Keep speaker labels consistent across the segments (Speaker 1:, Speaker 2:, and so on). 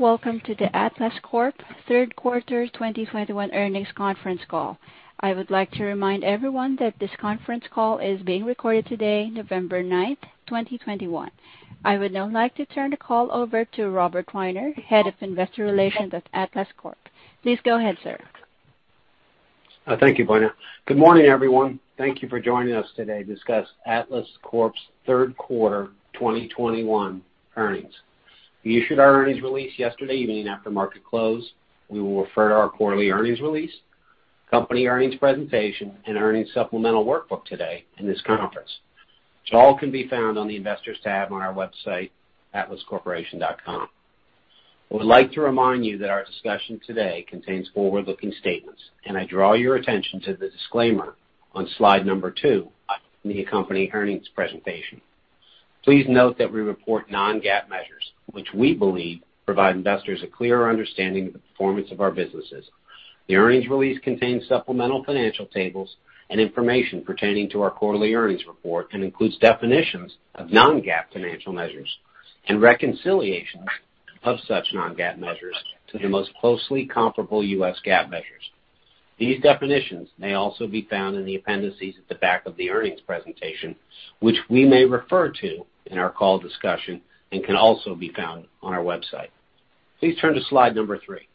Speaker 1: Welcome to the Atlas Corp third quarter 2021 earnings conference call. I would like to remind everyone that this conference call is being recorded today, November 9, 2021. I would now like to turn the call over to Robert Weiner, Head of Investor Relations at Atlas Corp. Please go ahead, sir.
Speaker 2: Thank you, Buena. Good morning, everyone. Thank you for joining us today to discuss Atlas Corp's third quarter 2021 earnings. We issued our earnings release yesterday evening after market close. We will refer to our quarterly earnings release, company earnings presentation, and earnings supplemental workbook today in this conference, which all can be found on the investors tab on our website, atlascorporation.com. I would like to remind you that our discussion today contains forward-looking statements, and I draw your attention to the disclaimer on slide number two of the accompanying earnings presentation. Please note that we report non-GAAP measures, which we believe provide investors a clearer understanding of the performance of our businesses. The earnings release contains supplemental financial tables and information pertaining to our quarterly earnings report and includes definitions of non-GAAP financial measures and reconciliations of such non-GAAP measures to the most closely comparable U.S. GAAP measures. These definitions may also be found in the appendices at the back of the earnings presentation, which we may refer to in our call discussion and can also be found on our website. Please turn to slide number three.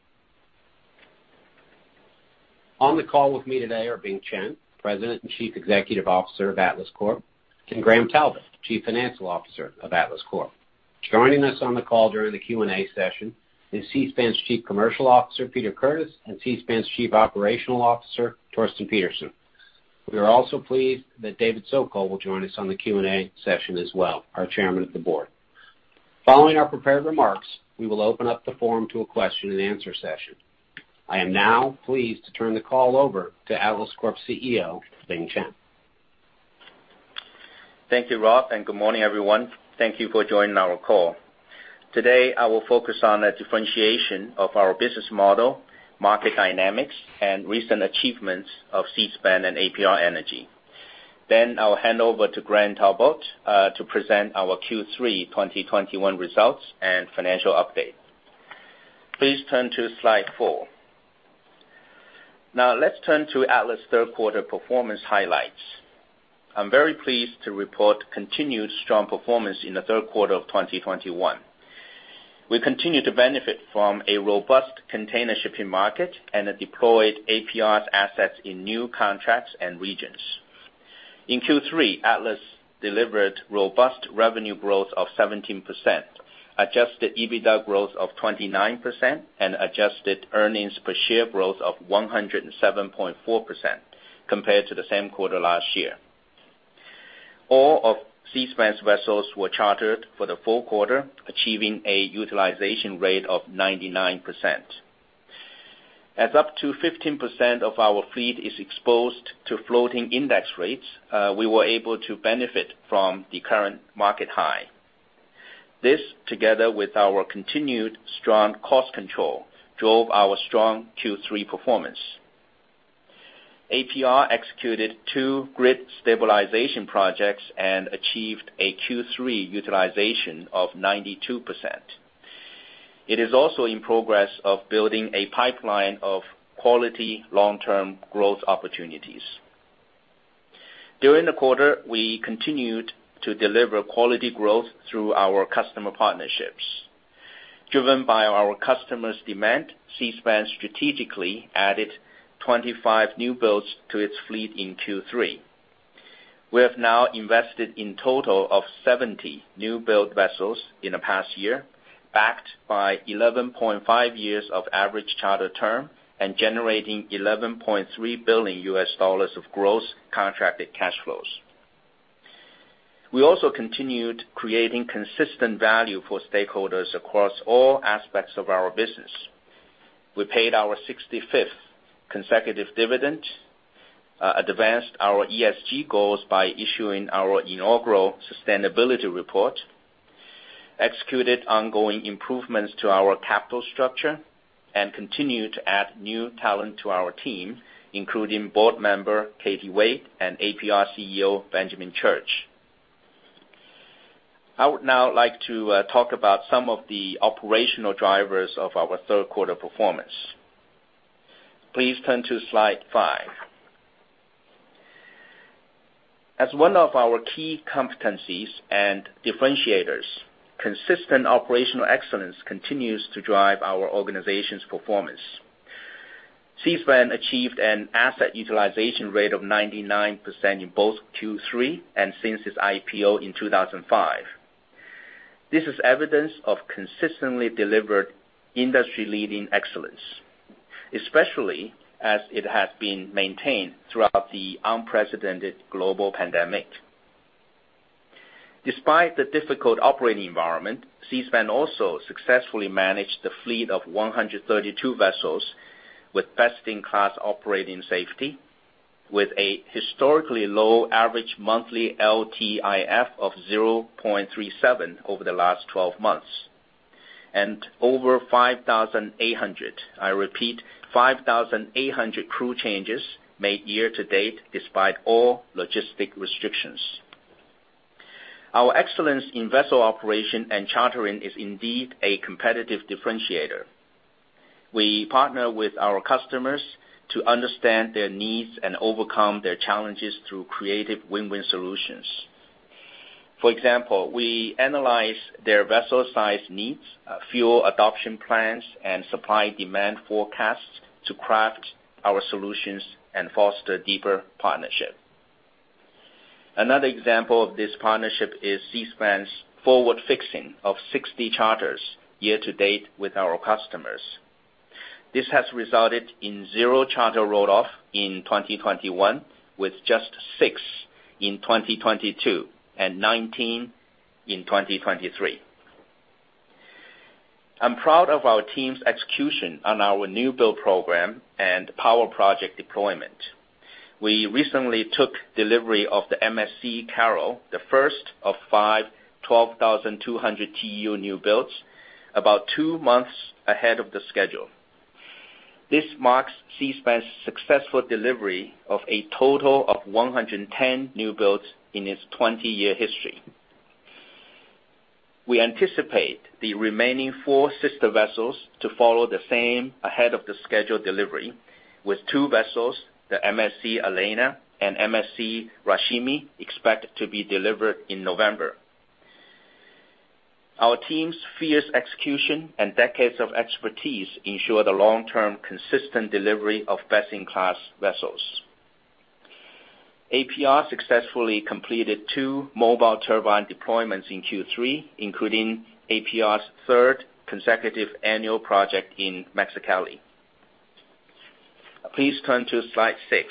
Speaker 2: On the call with me today are Bing Chen, President and Chief Executive Officer of Atlas Corp., and Graham Talbot, Chief Financial Officer of Atlas Corp. Joining us on the call during the Q&A session is Seaspan's Chief Commercial Officer, Peter Curtis, and Seaspan's Chief Operating Officer, Torsten Pedersen. We are also pleased that David Sokol will join us on the Q&A session as well, our Chairman of the Board. Following our prepared remarks, we will open up the forum to a question and answer session. I am now pleased to turn the call over to Atlas Corp. CEO, Bing Chen.
Speaker 3: Thank you, Rob, and good morning, everyone. Thank you for joining our call. Today, I will focus on the differentiation of our business model, market dynamics, and recent achievements of Seaspan and APR Energy. Then I'll hand over to Graham Talbot to present our Q3 2021 results and financial update. Please turn to slide four. Now let's turn to Atlas third quarter performance highlights. I'm very pleased to report continued strong performance in the third quarter of 2021. We continue to benefit from a robust container shipping market and deployed APR's assets in new contracts and regions. In Q3, Atlas delivered robust revenue growth of 17%, adjusted EBITDA growth of 29%, and adjusted earnings per share growth of 107.4% compared to the same quarter last year. All of Seaspan's vessels were chartered for the full quarter, achieving a utilization rate of 99%. As up to 15% of our fleet is exposed to floating index rates, we were able to benefit from the current market high. This, together with our continued strong cost control, drove our strong Q3 performance. APR executed two grid stabilization projects and achieved a Q3 utilization of 92%. It is also in progress of building a pipeline of quality long-term growth opportunities. During the quarter, we continued to deliver quality growth through our customer partnerships. Driven by our customers' demand, Seaspan strategically added 25 new builds to its fleet in Q3. We have now invested in total of 70 new build vessels in the past year, backed by 11.5 years of average charter term and generating $11.3 billion of gross contracted cash flows. We also continued creating consistent value for stakeholders across all aspects of our business. We paid our 65th consecutive dividend, advanced our ESG goals by issuing our inaugural sustainability report, executed ongoing improvements to our capital structure, and continued to add new talent to our team, including board member Katie Wade and APR CEO Benjamin Church. I would now like to talk about some of the operational drivers of our third quarter performance. Please turn to slide five. As one of our key competencies and differentiators, consistent operational excellence continues to drive our organization's performance. Seaspan achieved an asset utilization rate of 99% in both Q3 and since its IPO in 2005. This is evidence of consistently delivered industry-leading excellence, especially as it has been maintained throughout the unprecedented global pandemic. Despite the difficult operating environment, Seaspan also successfully managed a fleet of 132 vessels with best-in-class operating safety with a historically low average monthly LTIF of 0.37 over the last 12 months. Over 5,800, I repeat, 5,800 crew changes made year to date despite all logistic restrictions. Our excellence in vessel operation and chartering is indeed a competitive differentiator. We partner with our customers to understand their needs and overcome their challenges through creative win-win solutions. For example, we analyze their vessel size needs, fuel adoption plans, and supply-demand forecasts to craft our solutions and foster deeper partnership. Another example of this partnership is Seaspan's forward fixing of 60 charters year to date with our customers. This has resulted in zero charter roll-off in 2021, with just six in 2022, and 19 in 2023. I'm proud of our team's execution on our new build program and power project deployment. We recently took delivery of the MSC Carole, the first of five 12,200 TEU new builds about two months ahead of schedule. This marks Seaspan's successful delivery of a total of 110 new builds in its 20-year history. We anticipate the remaining four sister vessels to follow the same ahead of schedule delivery, with two vessels, the MSC Elena and MSC Rayshmi, expect to be delivered in November. Our team's fierce execution and decades of expertise ensure the long-term consistent delivery of best-in-class vessels. APR successfully completed two mobile turbine deployments in Q3, including APR's third consecutive annual project in Mexicali. Please turn to slide six.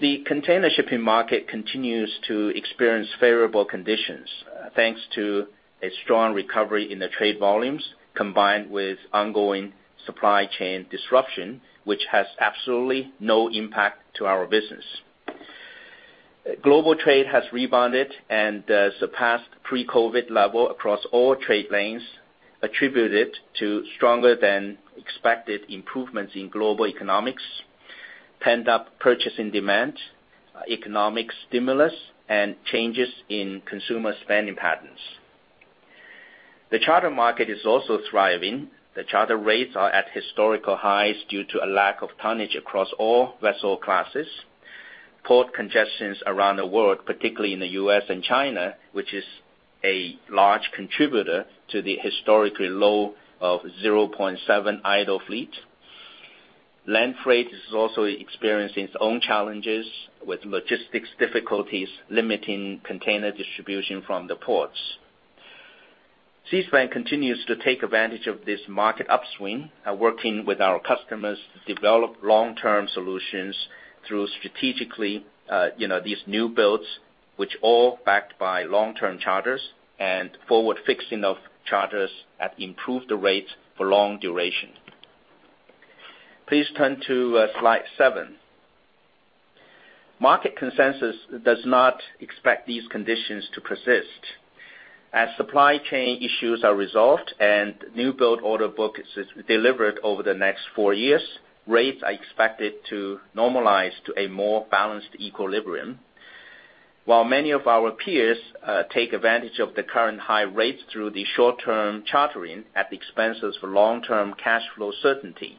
Speaker 3: The container shipping market continues to experience favorable conditions, thanks to a strong recovery in the trade volumes, combined with ongoing supply chain disruption, which has absolutely no impact to our business. Global trade has rebounded and surpassed pre-COVID level across all trade lanes, attributed to stronger than expected improvements in global economics, pent-up purchasing demand, economic stimulus, and changes in consumer spending patterns. The charter market is also thriving. The charter rates are at historical highs due to a lack of tonnage across all vessel classes. Port congestion around the world, particularly in the U.S. and China, which is a large contributor to the historically low 0.7% idle fleet. Land freight is also experiencing its own challenges, with logistics difficulties limiting container distribution from the ports. Seaspan continues to take advantage of this market upswing, working with our customers to develop long-term solutions through strategically, you know, these new builds, which all backed by long-term charters and forward fixing of charters at improved rates for long duration. Please turn to slide seven. Market consensus does not expect these conditions to persist. As supply chain issues are resolved and new build order book is delivered over the next four years, rates are expected to normalize to a more balanced equilibrium. While many of our peers take advantage of the current high rates through the short-term chartering at the expense of long-term cash flow certainty,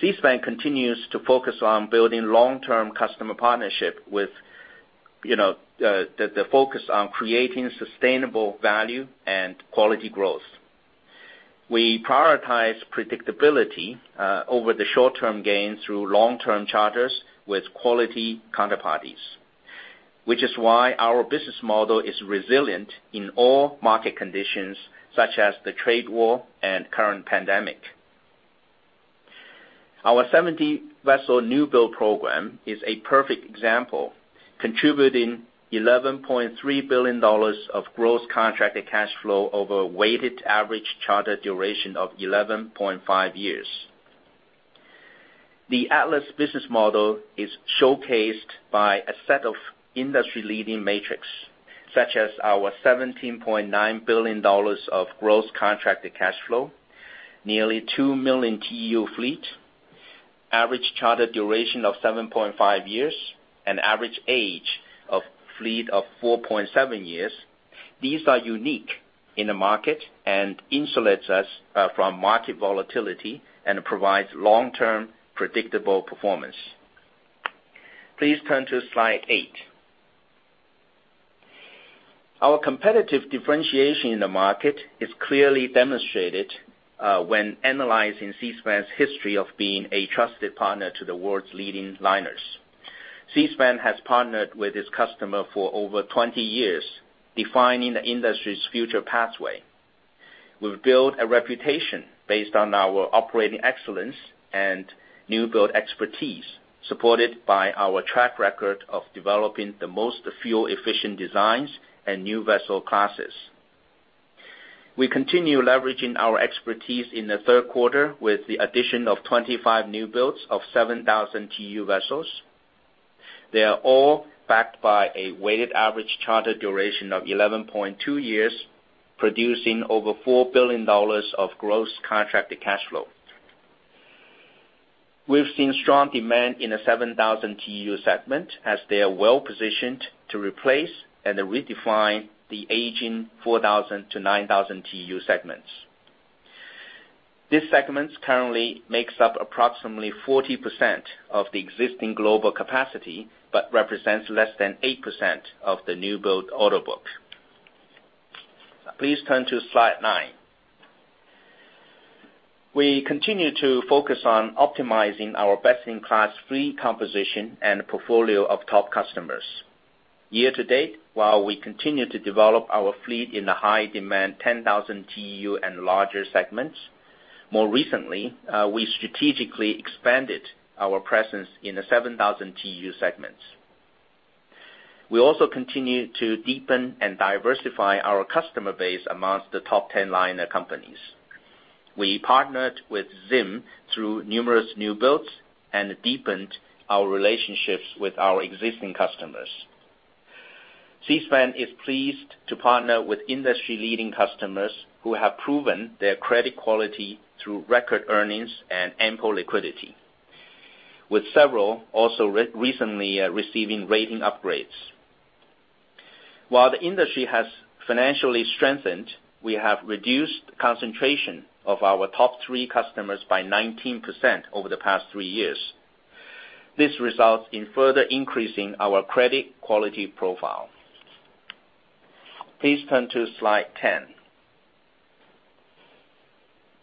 Speaker 3: Seaspan continues to focus on building long-term customer partnership with, you know, the focus on creating sustainable value and quality growth. We prioritize predictability over the short-term gain through long-term charters with quality counterparties. Which is why our business model is resilient in all market conditions, such as the trade war and current pandemic. Our 70-vessel new build program is a perfect example, contributing $11.3 billion of gross contracted cash flow over a weighted average charter duration of 11.5 years. The Atlas business model is showcased by a set of industry-leading metrics, such as our $17.9 billion of gross contracted cash flow, nearly two million TEU fleet, average charter duration of 7.5 years, and average age of fleet of 4.7 years. These are unique in the market and insulates us from market volatility and provides long-term predictable performance. Please turn to slide eight. Our competitive differentiation in the market is clearly demonstrated when analyzing Seaspan's history of being a trusted partner to the world's leading liners. Seaspan has partnered with its customer for over 20 years, defining the industry's future pathway. We've built a reputation based on our operating excellence and new build expertise, supported by our track record of developing the most fuel-efficient designs and new vessel classes. We continue leveraging our expertise in the third quarter with the addition of 25 new builds of 7,000 TEU vessels. They are all backed by a weighted average charter duration of 11.2 years, producing over $4 billion of gross contracted cash flow. We've seen strong demand in the 7,000 TEU segment as they are well-positioned to replace and redefine the aging 4,000-9,000 TEU segments. These segments currently makes up approximately 40% of the existing global capacity, but represents less than 8% of the newbuild order book. Please turn to slide nine. We continue to focus on optimizing our best-in-class fleet composition and portfolio of top customers. Year-to-date, while we continue to develop our fleet in the high demand 10,000 TEU and larger segments, more recently, we strategically expanded our presence in the 7,000 TEU segments. We also continue to deepen and diversify our customer base among the top 10 liner companies. We partnered with ZIM through numerous new builds and deepened our relationships with our existing customers. Seaspan is pleased to partner with industry-leading customers who have proven their credit quality through record earnings and ample liquidity, with several also recently receiving rating upgrades. While the industry has financially strengthened, we have reduced concentration of our top three customers by 19% over the past three years. This results in further increasing our credit quality profile. Please turn to slide 10.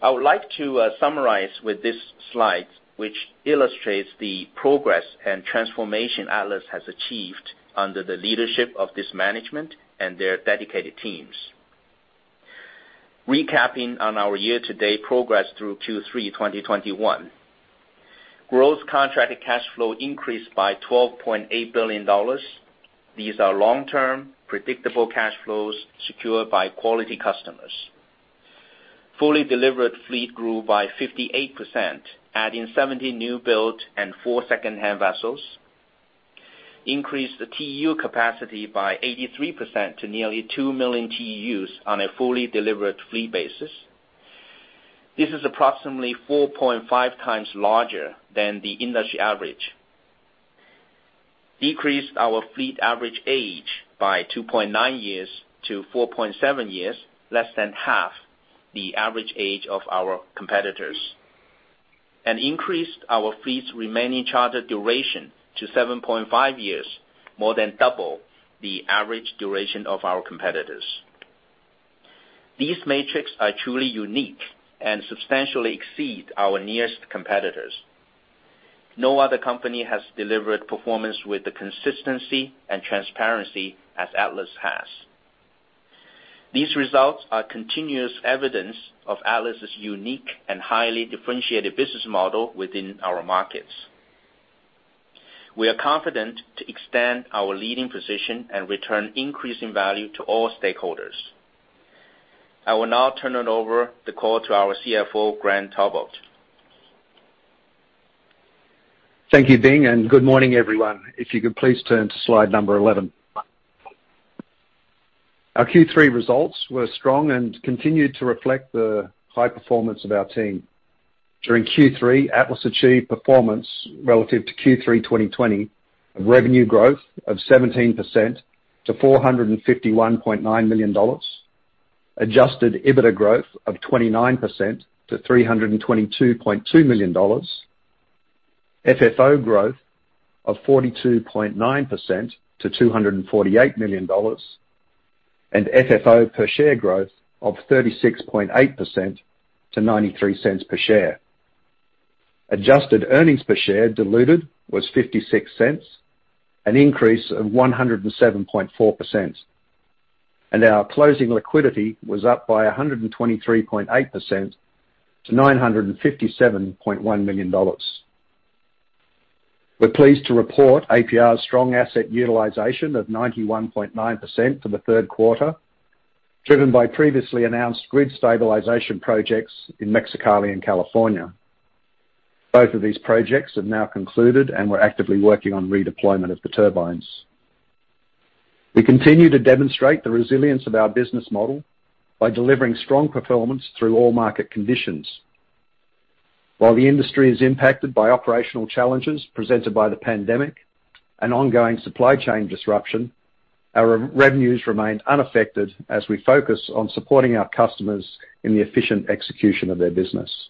Speaker 3: I would like to summarize with this slide, which illustrates the progress and transformation Atlas has achieved under the leadership of this management and their dedicated teams. Recapping on our year-to-date progress through Q3 2021. Growth contracted cash flow increased by $12.8 billion. These are long-term predictable cash flows secured by quality customers. Fully delivered fleet grew by 58%, adding 70 newbuild and 4 secondhand vessels. Increased the TEU capacity by 83% to nearly two million TEUs on a fully delivered fleet basis. This is approximately 4.5 times larger than the industry average. Decreased our fleet average age by 2.9 years to 4.7 years, less than half the average age of our competitors. Increased our fleet's remaining charter duration to 7.5 years, more than double the average duration of our competitors. These metrics are truly unique and substantially exceed our nearest competitors. No other company has delivered performance with the consistency and transparency as Atlas has. These results are continuous evidence of Atlas' unique and highly differentiated business model within our markets. We are confident to extend our leading position and return increasing value to all stakeholders. I will now turn the call over to our CFO, Graham Talbot.
Speaker 4: Thank you, Bing, and good morning, everyone. If you could please turn to slide 11. Our Q3 results were strong and continued to reflect the high performance of our team. During Q3, Atlas achieved performance relative to Q3 2020 of revenue growth of 17% to $451.9 million. Adjusted EBITDA growth of 29% to $322.2 million. FFO growth of 42.9% to $248 million. FFO per share growth of 36.8% to $0.93 per share. Adjusted earnings per share diluted was $0.56, an increase of 107.4%. Our closing liquidity was up by 123.8% to $957.1 million. We're pleased to report APR's strong asset utilization of 91.9% for the third quarter, driven by previously announced grid stabilization projects in Mexicali and California. Both of these projects have now concluded, and we're actively working on redeployment of the turbines. We continue to demonstrate the resilience of our business model by delivering strong performance through all market conditions. While the industry is impacted by operational challenges presented by the pandemic and ongoing supply chain disruption, our revenues remained unaffected as we focus on supporting our customers in the efficient execution of their business.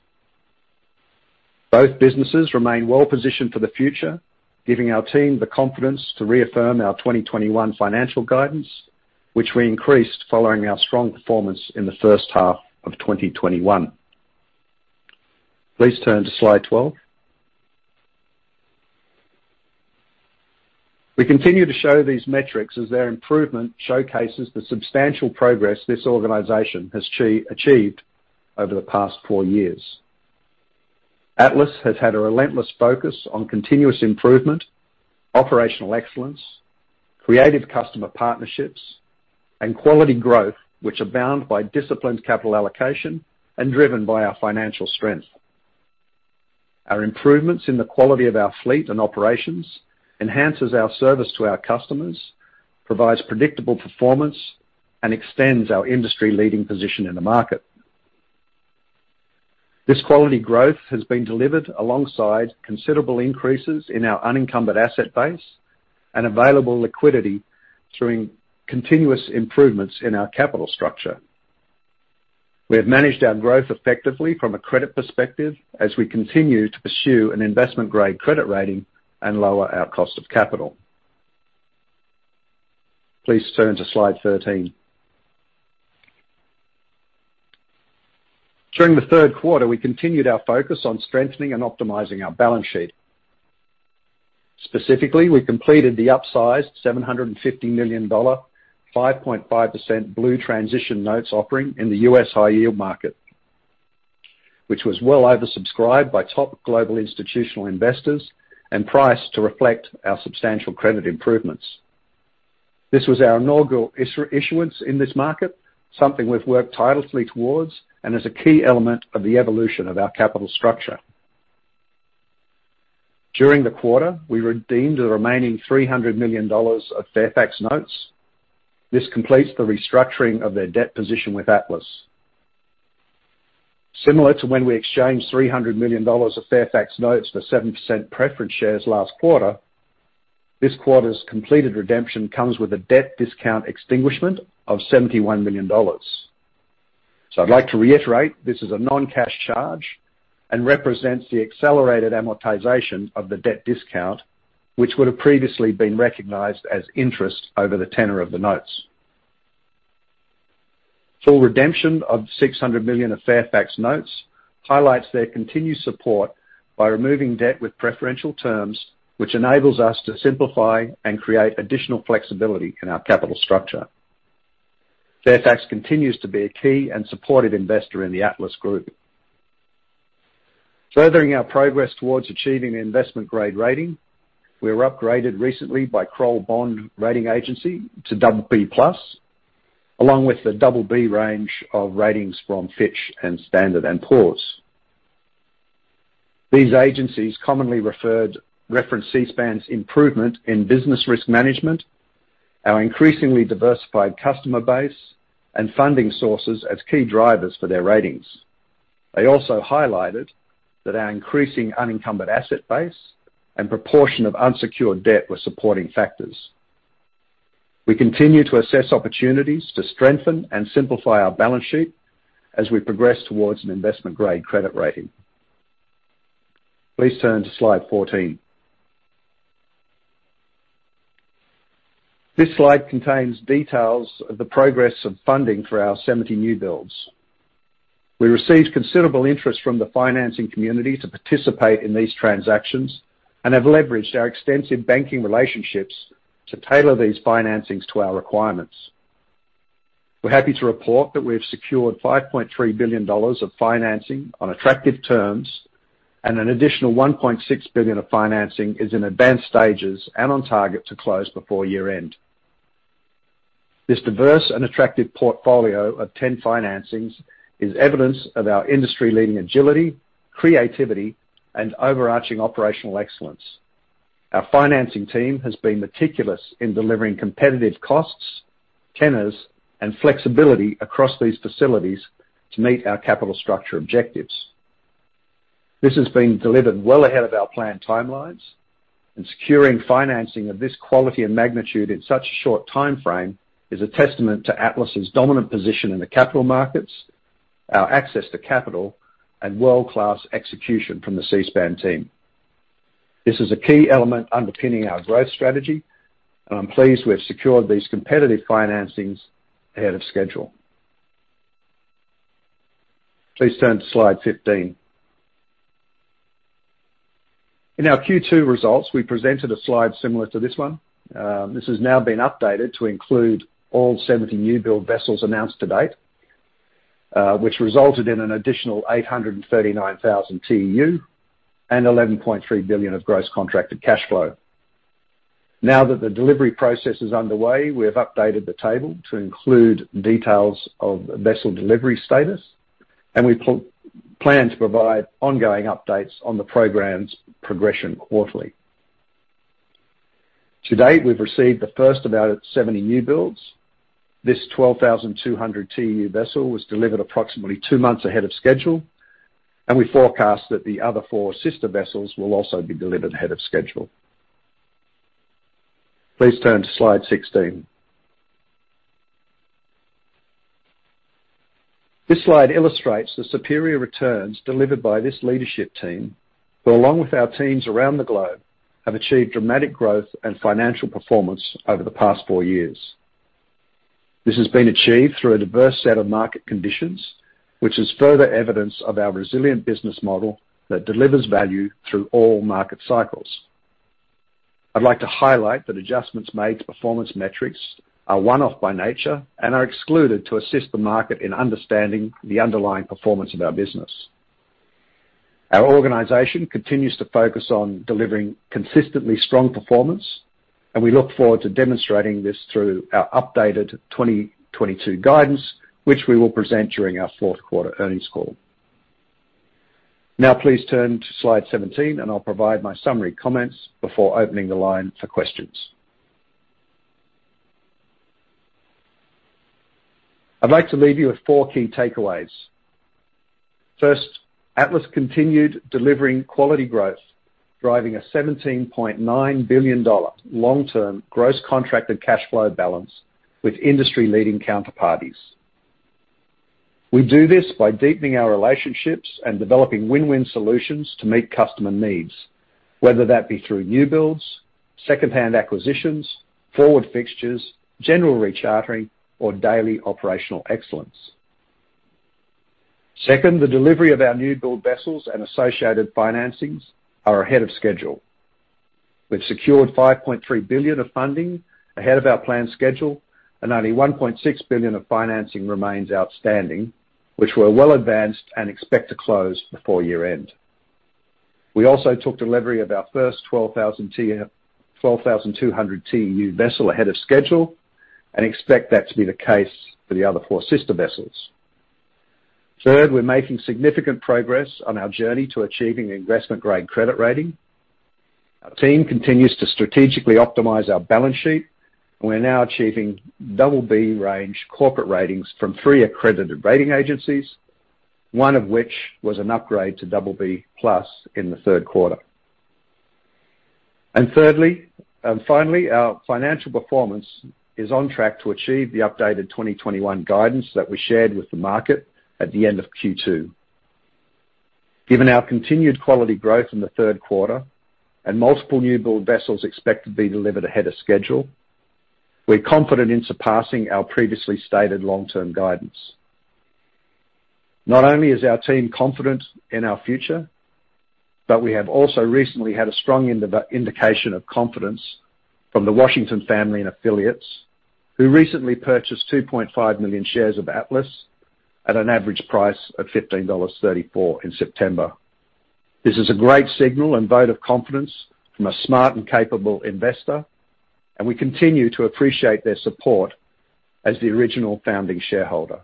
Speaker 4: Both businesses remain well-positioned for the future, giving our team the confidence to reaffirm our 2021 financial guidance, which we increased following our strong performance in the first half of 2021. Please turn to slide 12. We continue to show these metrics as their improvement showcases the substantial progress this organization has achieved over the past four years. Atlas has had a relentless focus on continuous improvement, operational excellence, creative customer partnerships and quality growth, which are bound by disciplined capital allocation and driven by our financial strength. Our improvements in the quality of our fleet and operations enhances our service to our customers, provides predictable performance, and extends our industry-leading position in the market. This quality growth has been delivered alongside considerable increases in our unencumbered asset base and available liquidity through continuous improvements in our capital structure. We have managed our growth effectively from a credit perspective as we continue to pursue an investment-grade credit rating and lower our cost of capital. Please turn to slide 13. During the third quarter, we continued our focus on strengthening and optimizing our balance sheet. Specifically, we completed the upsized $750 million, 5.5% Blue Transition Bonds offering in the U.S. high yield market, which was well oversubscribed by top global institutional investors and priced to reflect our substantial credit improvements. This was our inaugural issuance in this market, something we've worked tirelessly towards and is a key element of the evolution of our capital structure. During the quarter, we redeemed the remaining $300 million of Fairfax Notes. This completes the restructuring of their debt position with Atlas. Similar to when we exchanged $300 million of Fairfax Notes for 7% preference shares last quarter, this quarter's completed redemption comes with a debt discount extinguishment of $71 million. I'd like to reiterate this is a non-cash charge and represents the accelerated amortization of the debt discount, which would have previously been recognized as interest over the tenor of the notes. Full redemption of $600 million of Fairfax Notes highlights their continued support by removing debt with preferential terms, which enables us to simplify and create additional flexibility in our capital structure. Fairfax continues to be a key and supportive investor in the Atlas Group. Furthering our progress towards achieving investment-grade rating, we were upgraded recently by Kroll Bond Rating Agency to BB+, along with the BB range of ratings from Fitch and Standard and Poor's. These agencies commonly referenced Seaspan's improvement in business risk management, our increasingly diversified customer base, and funding sources as key drivers for their ratings. They also highlighted that our increasing unencumbered asset base and proportion of unsecured debt were supporting factors. We continue to assess opportunities to strengthen and simplify our balance sheet as we progress towards an investment-grade credit rating. Please turn to slide 14. This slide contains details of the progress of funding for our 70 newbuilds. We received considerable interest from the financing community to participate in these transactions and have leveraged our extensive banking relationships to tailor these financings to our requirements. We're happy to report that we have secured $5.3 billion of financing on attractive terms, and an additional $1.6 billion of financing is in advanced stages and on target to close before year-end. This diverse and attractive portfolio of 10 financings is evidence of our industry-leading agility, creativity, and overarching operational excellence. Our financing team has been meticulous in delivering competitive costs, tenors, and flexibility across these facilities to meet our capital structure objectives. This has been delivered well ahead of our planned timelines, and securing financing of this quality and magnitude in such a short timeframe is a testament to Atlas' dominant position in the capital markets, our access to capital, and world-class execution from the Seaspan team. This is a key element underpinning our growth strategy, and I'm pleased we have secured these competitive financings ahead of schedule. Please turn to slide 15. In our Q2 results, we presented a slide similar to this one. This has now been updated to include all 70 newbuild vessels announced to date, which resulted in an additional 839,000 TEU and $11.3 billion of gross contracted cash flow. Now that the delivery process is underway, we have updated the table to include details of vessel delivery status, and we plan to provide ongoing updates on the program's progression quarterly. To date, we've received the first of our 70 newbuilds. This 12,200 TEU vessel was delivered approximately two months ahead of schedule, and we forecast that the other four sister vessels will also be delivered ahead of schedule. Please turn to slide 16. This slide illustrates the superior returns delivered by this leadership team, who along with our teams around the globe, have achieved dramatic growth and financial performance over the past four years. This has been achieved through a diverse set of market conditions, which is further evidence of our resilient business model that delivers value through all market cycles. I'd like to highlight that adjustments made to performance metrics are one-off by nature and are excluded to assist the market in understanding the underlying performance of our business. Our organization continues to focus on delivering consistently strong performance, and we look forward to demonstrating this through our updated 2022 guidance, which we will present during our fourth quarter earnings call. Now please turn to slide 17, and I'll provide my summary comments before opening the line for questions. I'd like to leave you with four key takeaways. First, Atlas continued delivering quality growth, driving a $17.9 billion long-term gross contracted cash flow balance with industry-leading counterparties. We do this by deepening our relationships and developing win-win solutions to meet customer needs, whether that be through new builds, secondhand acquisitions, forward fixtures, general rechartering, or daily operational excellence. Second, the delivery of our new build vessels and associated financings are ahead of schedule. We've secured $5.3 billion of funding ahead of our planned schedule, and only $1.6 billion of financing remains outstanding, which we're well advanced and expect to close before year-end. We also took delivery of our first 12,200 TEU vessel ahead of schedule and expect that to be the case for the other four sister vessels. Third, we're making significant progress on our journey to achieving investment-grade credit rating. Our team continues to strategically optimize our balance sheet. We're now achieving double B range corporate ratings from three accredited rating agencies, one of which was an upgrade to double BB+ in the third quarter. Thirdly, finally, our financial performance is on track to achieve the updated 2021 guidance that we shared with the market at the end of Q2. Given our continued quality growth in the third quarter and multiple new build vessels expected to be delivered ahead of schedule, we're confident in surpassing our previously stated long-term guidance. Not only is our team confident in our future, but we have also recently had a strong indication of confidence from the Washington family and affiliates, who recently purchased 2.5 million shares of Atlas at an average price of $15.34 in September. This is a great signal and vote of confidence from a smart and capable investor, and we continue to appreciate their support as the original founding shareholder.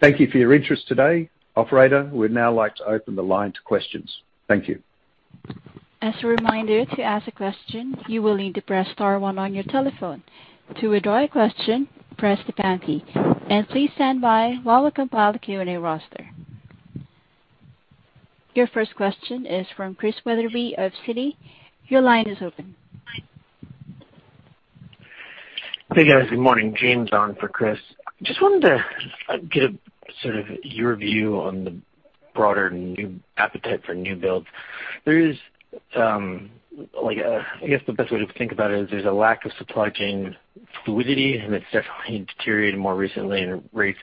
Speaker 4: Thank you for your interest today. Operator, we'd now like to open the line to questions. Thank you.
Speaker 1: As a reminder, to ask a question, you will need to press star one on your telephone. To withdraw your question, press the pound key. Please stand by while we compile the Q&A roster. Your first question is from Chris Wetherbee of Citi. Your line is open.
Speaker 5: Hey, guys. Good morning. James on for Chris. Just wanted to get sort of your view on the broader new appetite for new builds. There is, like, I guess, the best way to think about it is there's a lack of supply chain fluidity, and it's definitely deteriorated more recently and rates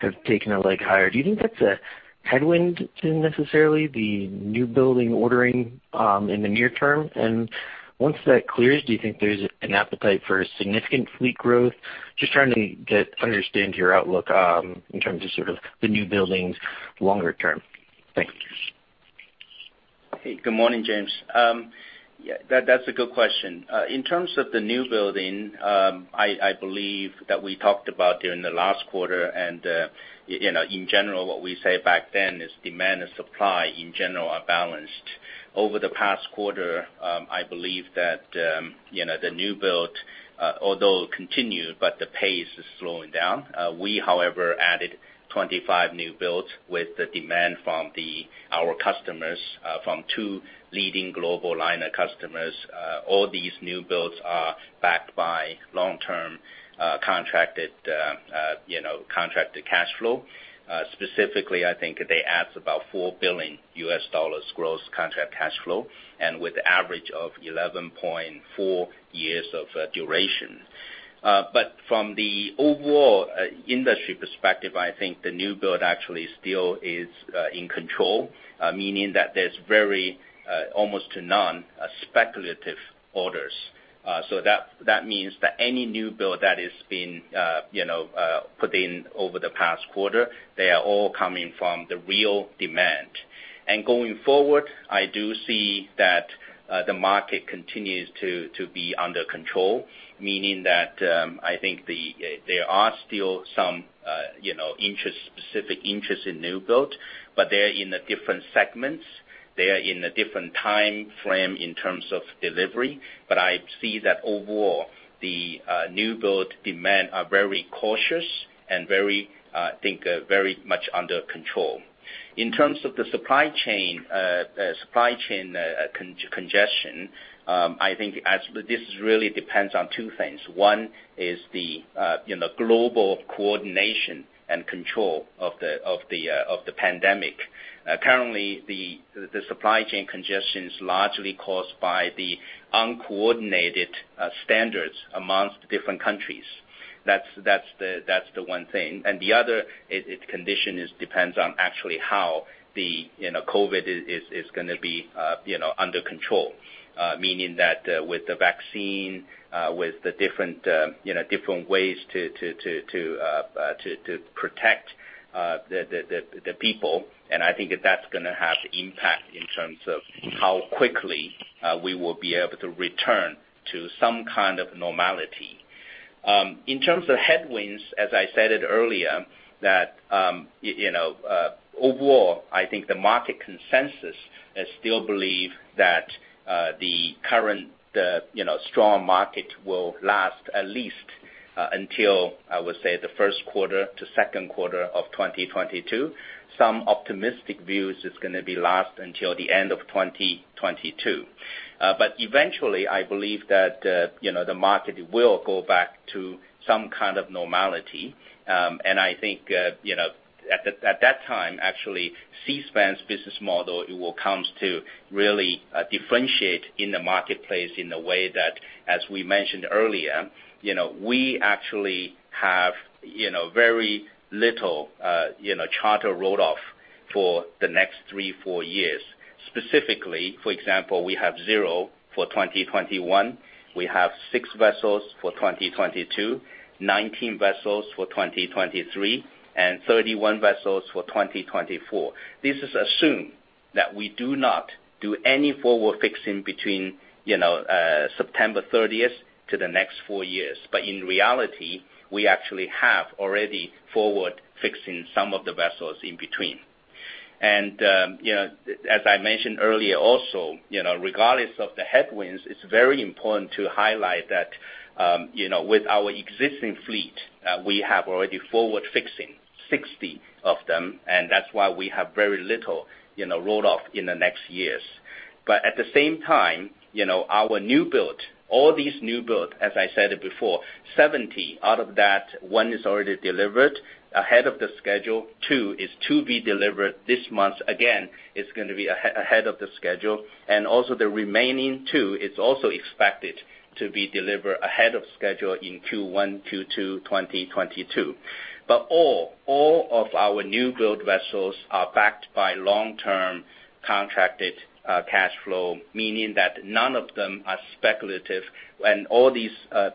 Speaker 5: have taken a leg higher. Do you think that's a headwind to necessarily the new building ordering in the near term? And once that clears, do you think there's an appetite for significant fleet growth? Just trying to get, understand your outlook in terms of sort of the new buildings longer term. Thank you.
Speaker 3: Hey, good morning, James. Yeah, that's a good question. In terms of the new building, I believe that we talked about during the last quarter and, you know, in general, what we say back then is demand and supply in general are balanced. Over the past quarter, I believe that, you know, the new build, although continued, but the pace is slowing down. We, however, added 25 new builds with the demand from our customers, from two leading global liner customers. All these new builds are backed by long-term contracted cash flow. Specifically, I think they add about $4 billion gross contract cash flow and with average of 11.4 years of duration. From the overall industry perspective, I think the new build actually still is in control, meaning that there's very almost to none speculative orders. That means that any new build that has been you know put in over the past quarter, they are all coming from the real demand. Going forward, I do see that the market continues to be under control, meaning that I think there are still some you know interest, specific interest in new build, but they're in the different segments. They are in a different timeframe in terms of delivery. I see that overall the new build demand are very cautious and very I think very much under control. In terms of the supply chain congestion, I think as this really depends on two things. One is the you know, global coordination and control of the pandemic. Currently, the supply chain congestion is largely caused by the uncoordinated standards among different countries. That's the one thing. The other is its condition depends on actually how the you know, COVID is gonna be you know, under control. Meaning that with the vaccine with the different you know, different ways to protect The people, and I think that that's gonna have impact in terms of how quickly we will be able to return to some kind of normality. In terms of headwinds, as I said it earlier, that you know overall, I think the market consensus still believe that the current you know strong market will last at least until, I would say, the first quarter to second quarter of 2022. Some optimistic views, it's gonna last until the end of 2022. But eventually, I believe that you know the market will go back to some kind of normality. I think, you know, at that time, actually, Seaspan's business model, it really comes to differentiate in the marketplace in the way that, as we mentioned earlier, you know, we actually have, you know, very little, you know, charter roll-off for the next three, four years. Specifically, for example, we have 0 for 2021. We have six vessels for 2022, 19 vessels for 2023, and 31 vessels for 2024. This assumes that we do not do any forward fixing between, you know, September 30 to the next four years. But in reality, we actually have already forward fixing some of the vessels in between. You know, as I mentioned earlier also, you know, regardless of the headwinds, it's very important to highlight that, you know, with our existing fleet, we have already forward fixing 60 of them, and that's why we have very little, you know, roll-off in the next years. At the same time, you know, our new build, as I said it before, 70. Out of that, 1 is already delivered ahead of the schedule. Two is to be delivered this month. Again, it's gonna be ahead of the schedule. And also, the remaining two is also expected to be delivered ahead of schedule in Q1, Q2 2022. All of our new build vessels are backed by long-term contracted cash flow, meaning that none of them are speculative when all these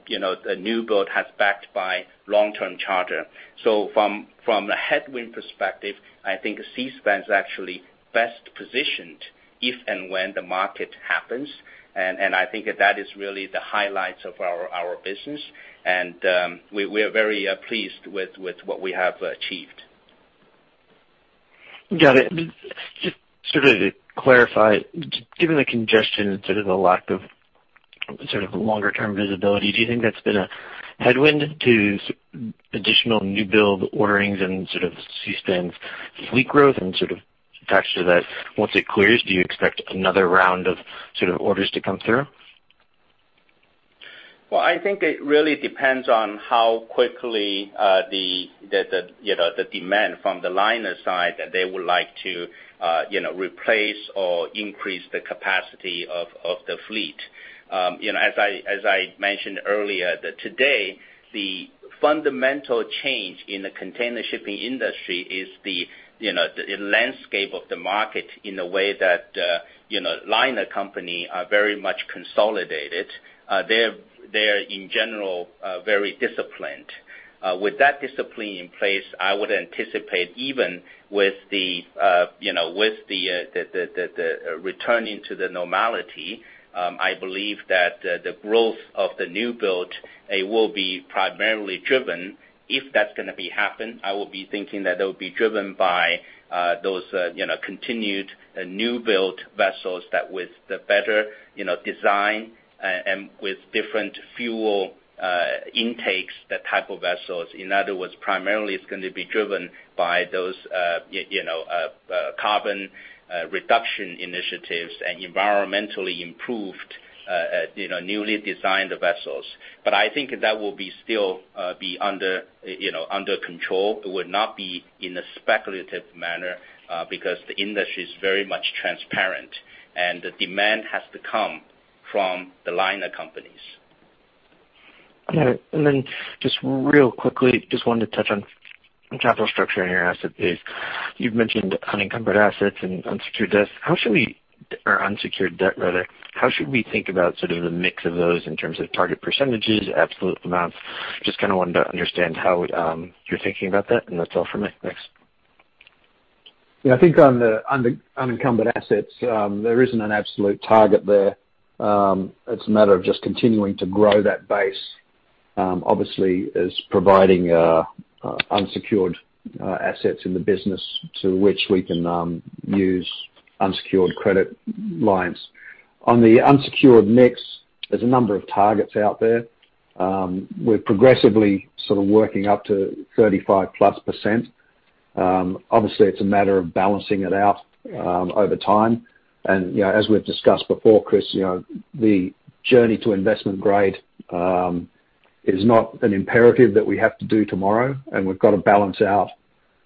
Speaker 3: you know new builds are backed by long-term charter. From a headwind perspective, I think Seaspan's actually best positioned if and when the market happens. I think that is really the highlights of our business. We are very pleased with what we have achieved.
Speaker 5: Got it. Just sort of to clarify, given the congestion and sort of the lack of sort of longer term visibility, do you think that's been a headwind to additional new build orderings and sort of Seaspan's fleet growth and sort of factor that once it clears, do you expect another round of sort of orders to come through?
Speaker 3: Well, I think it really depends on how quickly you know the demand from the liner side that they would like to you know replace or increase the capacity of the fleet. You know, as I mentioned earlier, that today the fundamental change in the container shipping industry is you know the landscape of the market in the way that you know liner company are very much consolidated. They're in general very disciplined. With that discipline in place, I would anticipate even with you know the returning to the normality. I believe that the growth of the new build it will be primarily driven. If that's gonna be happen, I will be thinking that it'll be driven by those, you know, continued new build vessels that with the better, you know, design, and with different fuel intakes, that type of vessels. In other words, primarily it's gonna be driven by those, you know, carbon reduction initiatives and environmentally improved, you know, newly designed vessels. But I think that will still be under, you know, under control. It would not be in a speculative manner, because the industry is very much transparent, and the demand has to come from the liner companies.
Speaker 5: Got it. Then just real quickly, just wanted to touch on capital structure in your asset base. You've mentioned unencumbered assets and unsecured debts. Or unsecured debt rather. How should we think about sort of the mix of those in terms of target percentages, absolute amounts? Just kinda wanted to understand how, you're thinking about that, and that's all for me. Thanks.
Speaker 4: Yeah. I think on the unencumbered assets, there isn't an absolute target there. It's a matter of just continuing to grow that base, obviously, as providing unsecured assets in the business to which we can use unsecured credit lines. On the unsecured mix, there's a number of targets out there. We're progressively sort of working up to 35%+. Obviously it's a matter of balancing it out over time. You know, as we've discussed before, Chris, you know, the journey to investment grade is not an imperative that we have to do tomorrow, and we've got to balance out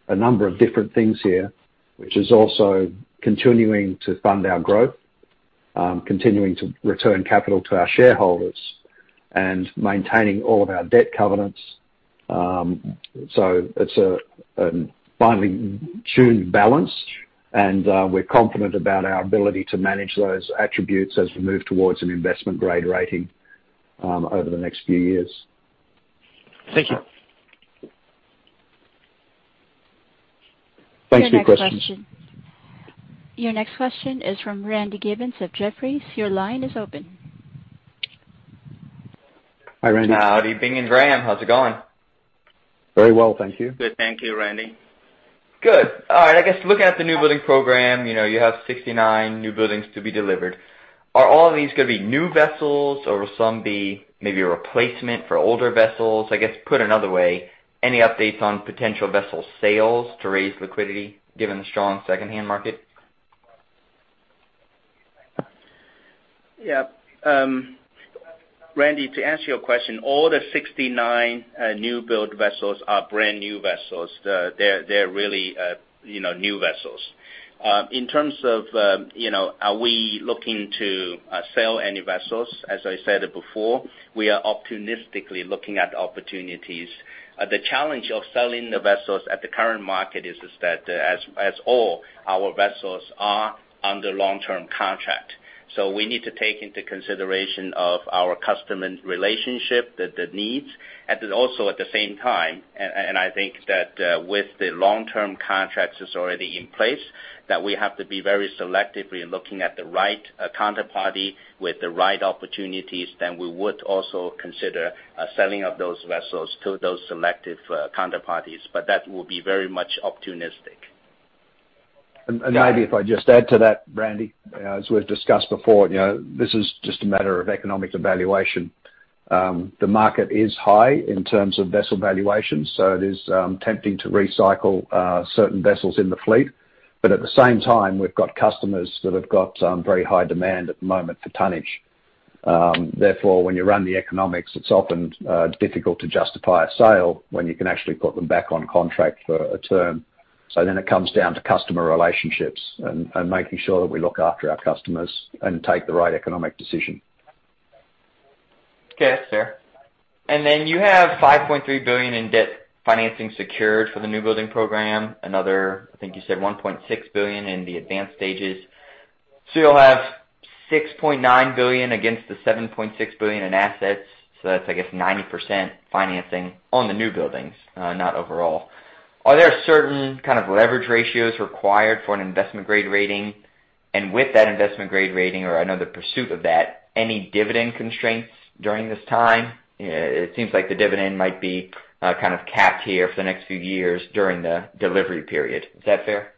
Speaker 4: a number of different things here, which is also continuing to fund our growth, continuing to return capital to our shareholders, and maintaining all of our debt covenants. It's a finely tuned balance, and we're confident about our ability to manage those attributes as we move towards an investment grade rating over the next few years.
Speaker 5: Thank you.
Speaker 4: Thanks for your question.
Speaker 1: Your next question. Your next question is from Randy Giveans of Jefferies. Your line is open.
Speaker 3: Hi, Randy.
Speaker 6: How are you doing, Bing and Graham? How's it going?
Speaker 4: Very well, thank you.
Speaker 3: Good. Thank you, Randy.
Speaker 6: Good. All right. I guess, looking at the newbuilding program, you know, you have 69 newbuildings to be delivered. Are all of these gonna be new vessels or will some be maybe a replacement for older vessels? I guess, put another way, any updates on potential vessel sales to raise liquidity given the strong secondhand market?
Speaker 3: Yeah. Randy, to answer your question, all the 69 new-build vessels are brand-new vessels. They're really new vessels. In terms of, are we looking to sell any vessels? As I said it before, we are opportunistically looking at opportunities. The challenge of selling the vessels at the current market is that as all our vessels are under long-term contract. We need to take into consideration of our customer relationship, the needs. Then also at the same time, and I think that with the long-term contracts that's already in place, that we have to be very selective. We are looking at the right counterparty with the right opportunities, then we would also consider selling of those vessels to those selective counterparties, but that will be very much opportunistic.
Speaker 4: Maybe if I just add to that, Randy. As we've discussed before, you know, this is just a matter of economic evaluation. The market is high in terms of vessel valuations, so it is tempting to recycle certain vessels in the fleet. At the same time, we've got customers that have got very high demand at the moment for tonnage. Therefore, when you run the economics, it's often difficult to justify a sale when you can actually put them back on contract for a term. It comes down to customer relationships and making sure that we look after our customers and take the right economic decision.
Speaker 6: Okay. That's fair. Then you have $5.3 billion in debt financing secured for the new building program. Another, I think you said $1.6 billion in the advanced stages. You'll have $6.9 billion against the $7.6 billion in assets. That's I guess 90% financing on the new buildings, not overall. Are there certain kind of leverage ratios required for an investment-grade rating? With that investment-grade rating or another pursuit of that, any dividend constraints during this time? It seems like the dividend might be, kind of capped here for the next few years during the delivery period. Is that fair?
Speaker 4: Yeah.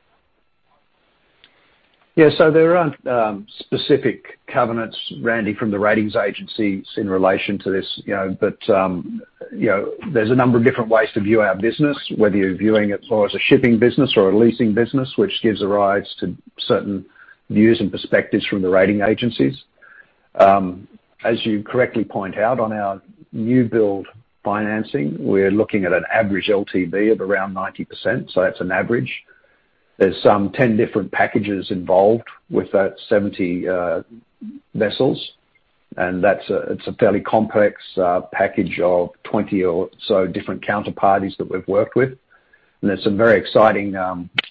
Speaker 4: There aren't specific covenants, Randy, from the rating agencies in relation to this, you know. You know, there's a number of different ways to view our business, whether you're viewing it more as a shipping business or a leasing business, which gives rise to certain views and perspectives from the rating agencies. As you correctly point out on our new build financing, we're looking at an average LTV of around 90%, so that's an average. There's some 10 different packages involved with that 70 vessels, and it's a fairly complex package of 20 or so different counterparties that we've worked with. There's some very exciting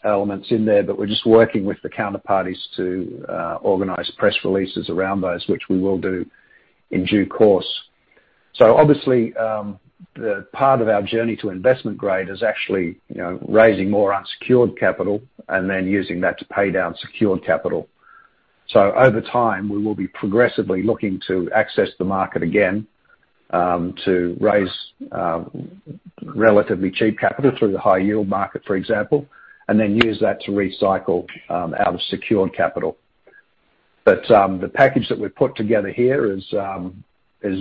Speaker 4: elements in there, but we're just working with the counterparties to organize press releases around those, which we will do in due course. Obviously, the part of our journey to investment grade is actually, you know, raising more unsecured capital and then using that to pay down secured capital. Over time, we will be progressively looking to access the market again, to raise, relatively cheap capital through the high yield market, for example, and then use that to recycle, our secured capital. The package that we've put together here is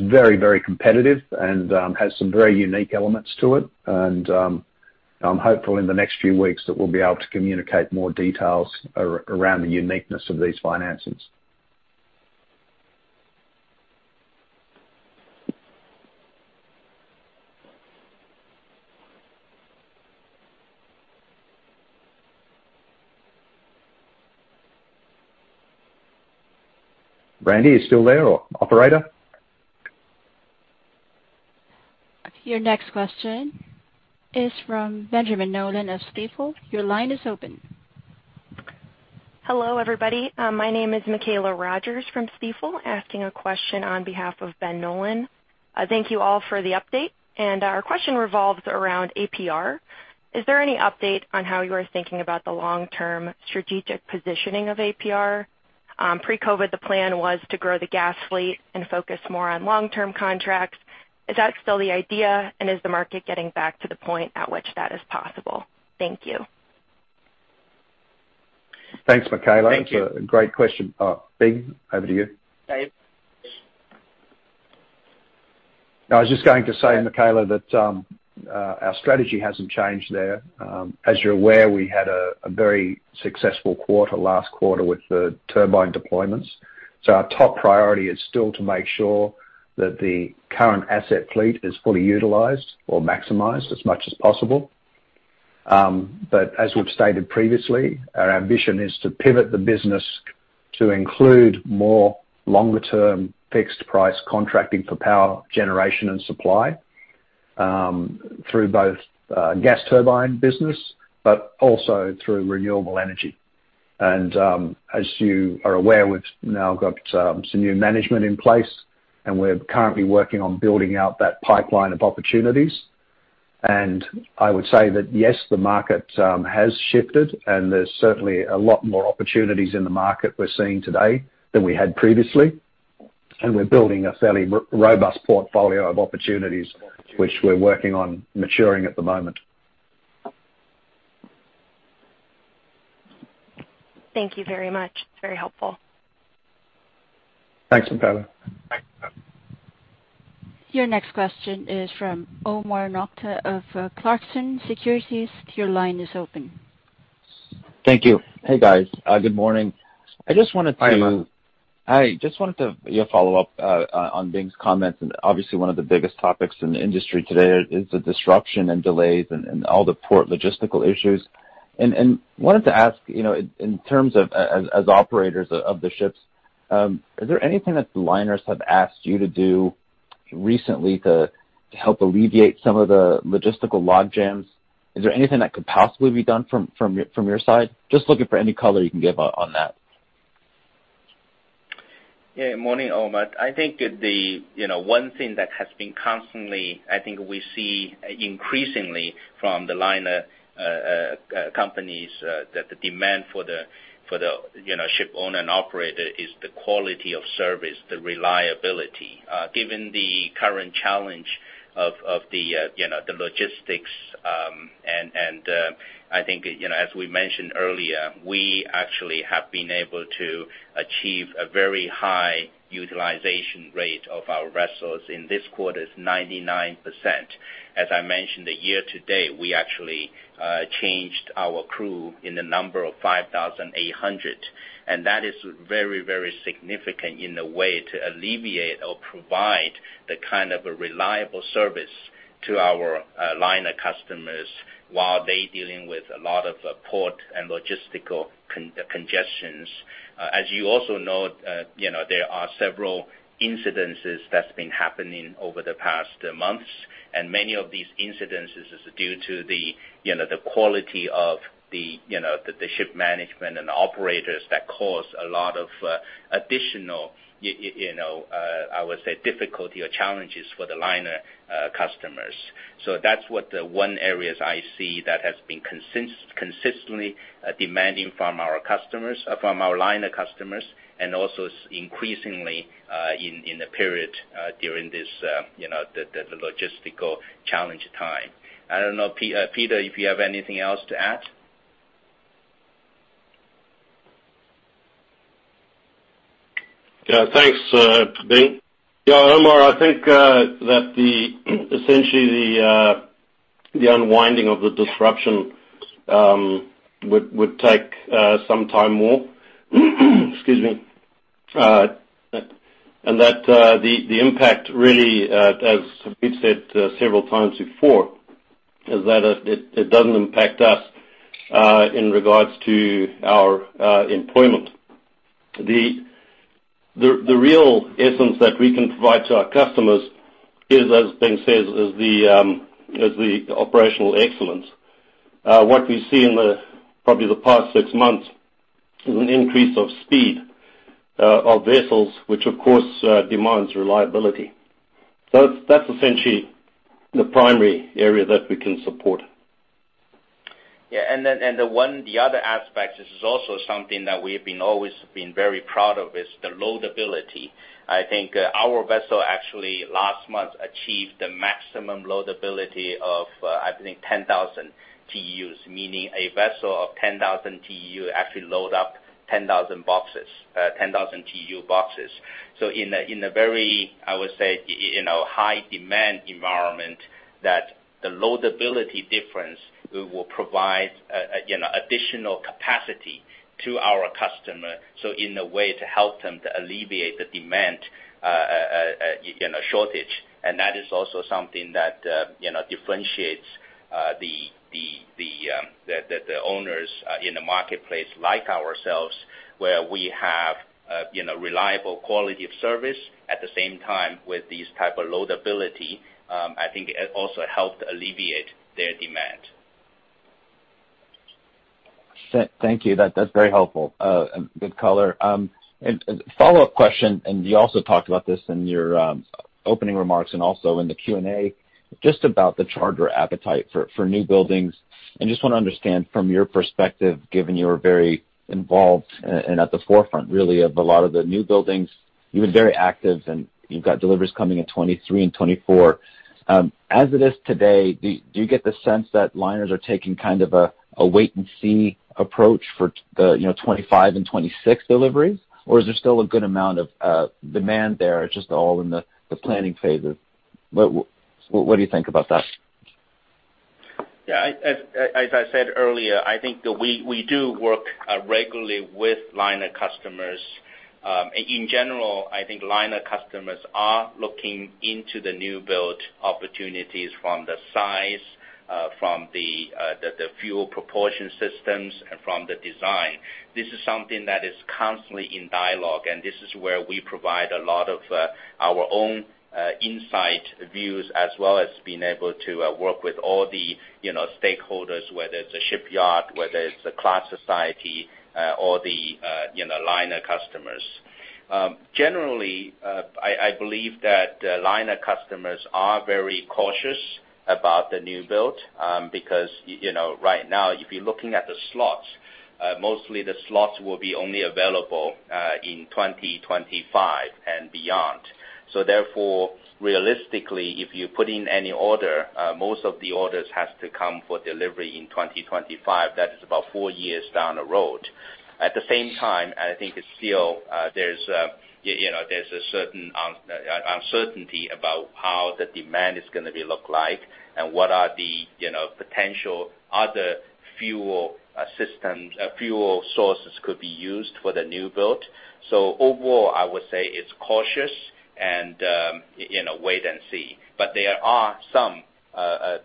Speaker 4: very, very competitive and, has some very unique elements to it. I'm hopeful in the next few weeks that we'll be able to communicate more details around the uniqueness of these financings. Randy, are you still there, or operator?
Speaker 1: Your next question is from Benjamin Nolan of Stifel. Your line is open.
Speaker 7: Hello, everybody. My name is Macalla Rogers from Stifel, asking a question on behalf of Ben Nolan. Thank you all for the update. Our question revolves around APR. Is there any update on how you are thinking about the long-term strategic positioning of APR? Pre-COVID, the plan was to grow the gas fleet and focus more on long-term contracts. Is that still the idea? Is the market getting back to the point at which that is possible? Thank you.
Speaker 4: Thanks, Macalla.
Speaker 3: Thank you.
Speaker 4: That's a great question. Bing, over to you.
Speaker 3: Thanks.
Speaker 4: I was just going to say, Macalla, that our strategy hasn't changed there. As you're aware, we had a very successful quarter last quarter with the turbine deployments. Our top priority is still to make sure that the current asset fleet is fully utilized or maximized as much as possible. As we've stated previously, our ambition is to pivot the business to include more longer-term fixed price contracting for power generation and supply. Through both gas turbine business, but also through renewable energy. As you are aware, we've now got some new management in place, and we're currently working on building out that pipeline of opportunities. I would say that, yes, the market has shifted, and there's certainly a lot more opportunities in the market we're seeing today than we had previously. We're building a fairly robust portfolio of opportunities which we're working on maturing at the moment.
Speaker 7: Thank you very much. Very helpful.
Speaker 4: Thanks, Macalla.
Speaker 1: Your next question is from Omar Nokta of Clarksons Securities. Your line is open.
Speaker 8: Thank you. Hey, guys. Good morning. I just wanted to.
Speaker 3: Hi, Omar.
Speaker 8: I just wanted to, you know, follow up on Bing's comments, and obviously one of the biggest topics in the industry today is the disruption and delays and all the port logistical issues. Wanted to ask, you know, in terms of as operators of the ships, is there anything that the liners have asked you to do recently to help alleviate some of the logistical logjams? Is there anything that could possibly be done from your side? Just looking for any color you can give on that.
Speaker 3: Yeah. Morning, Omar. I think the, you know, one thing that has been constantly, I think we see increasingly from the liner companies, that the demand for the, for the, you know, ship owner and operator is the quality of service, the reliability. Given the current challenge of the logistics and I think, you know, as we mentioned earlier, we actually have been able to achieve a very high utilization rate of our vessels. In this quarter it's 99%. As I mentioned, the year to date we actually changed our crew in the number of 5,800, and that is very, very significant in the way to alleviate or provide the kind of a reliable service to our liner customers while they're dealing with a lot of port and logistical congestions. As you also know, you know, there are several incidences that's been happening over the past months, and many of these incidences is due to the quality of the ship management and the operators that cause a lot of additional, you know, I would say, difficulty or challenges for the liner customers. So that's what the one areas I see that has been consistently demanding from our customers, from our liner customers, and also increasingly in the period during this you know the logistical challenge time. I don't know, Peter, if you have anything else to add.
Speaker 9: Yeah. Thanks, Bing. Yeah, Omar, I think that essentially the unwinding of the disruption would take some time more. Excuse me. That the impact really, as we've said several times before, is that it doesn't impact us in regards to our employment. The real essence that we can provide to our customers is, as Bing says, the operational excellence. What we see in probably the past six months is an increase of speed of vessels, which of course demands reliability. That's essentially the primary area that we can support.
Speaker 3: Yeah. The other aspect, this is also something that we've always been very proud of, is the loadability. I think our vessel actually last month achieved the maximum loadability of I think 10,000 TEUs. Meaning a vessel of 10,000 TEU actually load up 10,000 boxes, 10,000 TEU boxes. In a very, I would say, you know, high demand environment that the loadability difference will provide, you know, additional capacity to our customer, so in a way to help them to alleviate the demand, you know, shortage. That is also something that, you know, differentiates the owners in the marketplace like ourselves, where we have, you know, reliable quality of service at the same time with these type of loadability. I think also helped alleviate their demand.
Speaker 8: Thank you. That's very helpful. Good color. Follow-up question, you also talked about this in your opening remarks and also in the Q&A, just about the charter appetite for new buildings. Just wanna understand from your perspective, given you're very involved and at the forefront really of a lot of the new buildings, you've been very active and you've got deliveries coming in 2023 and 2024. As it is today, do you get the sense that liners are taking kind of a wait and see approach for the, you know, 2025 and 2026 deliveries? Or is there still a good amount of demand there, just all in the planning phases? What do you think about that?
Speaker 3: As I said earlier, I think that we do work regularly with liner customers. In general, I think liner customers are looking into the new build opportunities from the size, from the fuel propulsion systems and from the design. This is something that is constantly in dialogue, and this is where we provide a lot of our own insight views, as well as being able to work with all the you know stakeholders, whether it's a shipyard, whether it's a class society, or the you know liner customers. Generally, I believe that the liner customers are very cautious about the new build because you know, right now, if you're looking at the slots, mostly the slots will be only available in 2025 and beyond. Therefore, realistically, if you put in any order, most of the orders has to come for delivery in 2025. That is about four years down the road. At the same time, I think it's still, you know, there's a certain uncertainty about how the demand is gonna be look like and what are the, you know, potential other fuel systems, fuel sources could be used for the new build. Overall, I would say it's cautious and, you know, wait and see. There are some,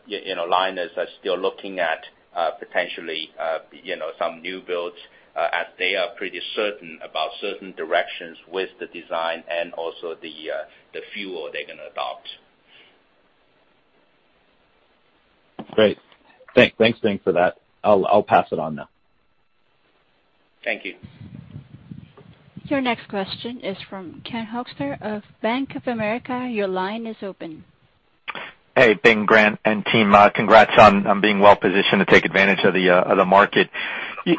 Speaker 3: you know, liners are still looking at, potentially, you know, some new builds, as they are pretty certain about certain directions with the design and also the fuel they're gonna adopt.
Speaker 8: Great. Thanks, Bing, for that. I'll pass it on now.
Speaker 3: Thank you.
Speaker 1: Your next question is from Ken Hoexter of Bank of America. Your line is open.
Speaker 10: Hey, Bing, Grant, and team. Congrats on being well-positioned to take advantage of the market. You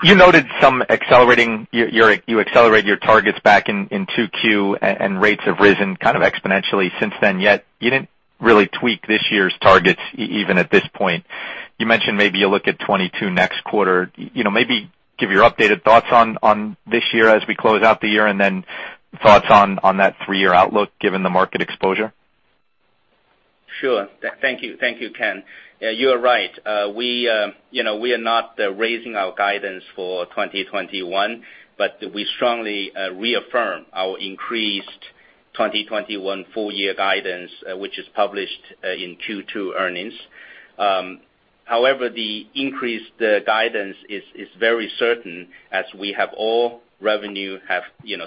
Speaker 10: accelerated your targets back in 2Q, and rates have risen kind of exponentially since then, yet you didn't really tweak this year's targets even at this point. You mentioned maybe you look at 2022 next quarter. You know, maybe give your updated thoughts on this year as we close out the year, and then thoughts on that three-year outlook given the market exposure.
Speaker 3: Sure. Thank you. Thank you, Ken. You're right. You know, we are not raising our guidance for 2021, but we strongly reaffirm our increased 2021 full year guidance, which is published in Q2 earnings. However, the increased guidance is very certain as we have all revenue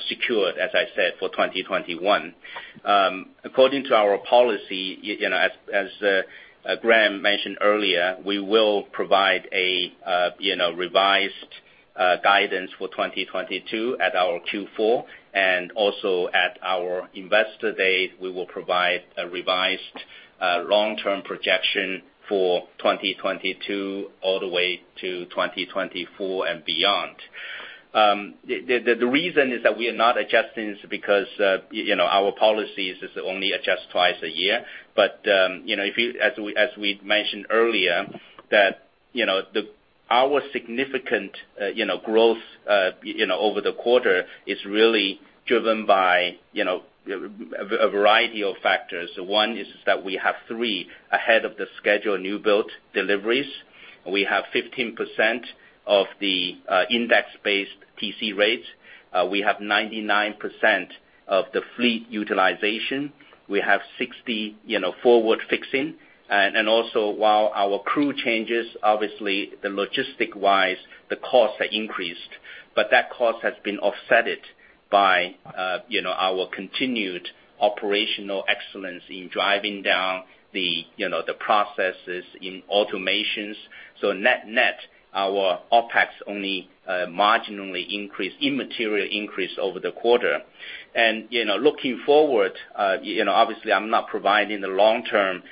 Speaker 3: secured, as I said, for 2021. According to our policy, you know, as Graham mentioned earlier, we will provide a revised guidance for 2022 at our Q4, and also at our investor day, we will provide a revised long-term projection for 2022 all the way to 2024 and beyond. The reason is that we are not adjusting is because, you know, our policy is just only adjust twice a year. As we mentioned earlier, you know, our significant growth over the quarter is really driven by, you know, a variety of factors. One is that we have three ahead-of-schedule newbuild deliveries. We have 15% of the index-based TC rates. We have 99% fleet utilization. We have 60% forward fixing. And also while our crew changes, obviously logistic-wise, the costs are increased, but that cost has been offset by, you know, our continued operational excellence in driving down the, you know, the processes and automations. So net, our OpEx only marginally increased, immaterial increase over the quarter. You know, looking forward, you know, obviously I'm not providing the long-term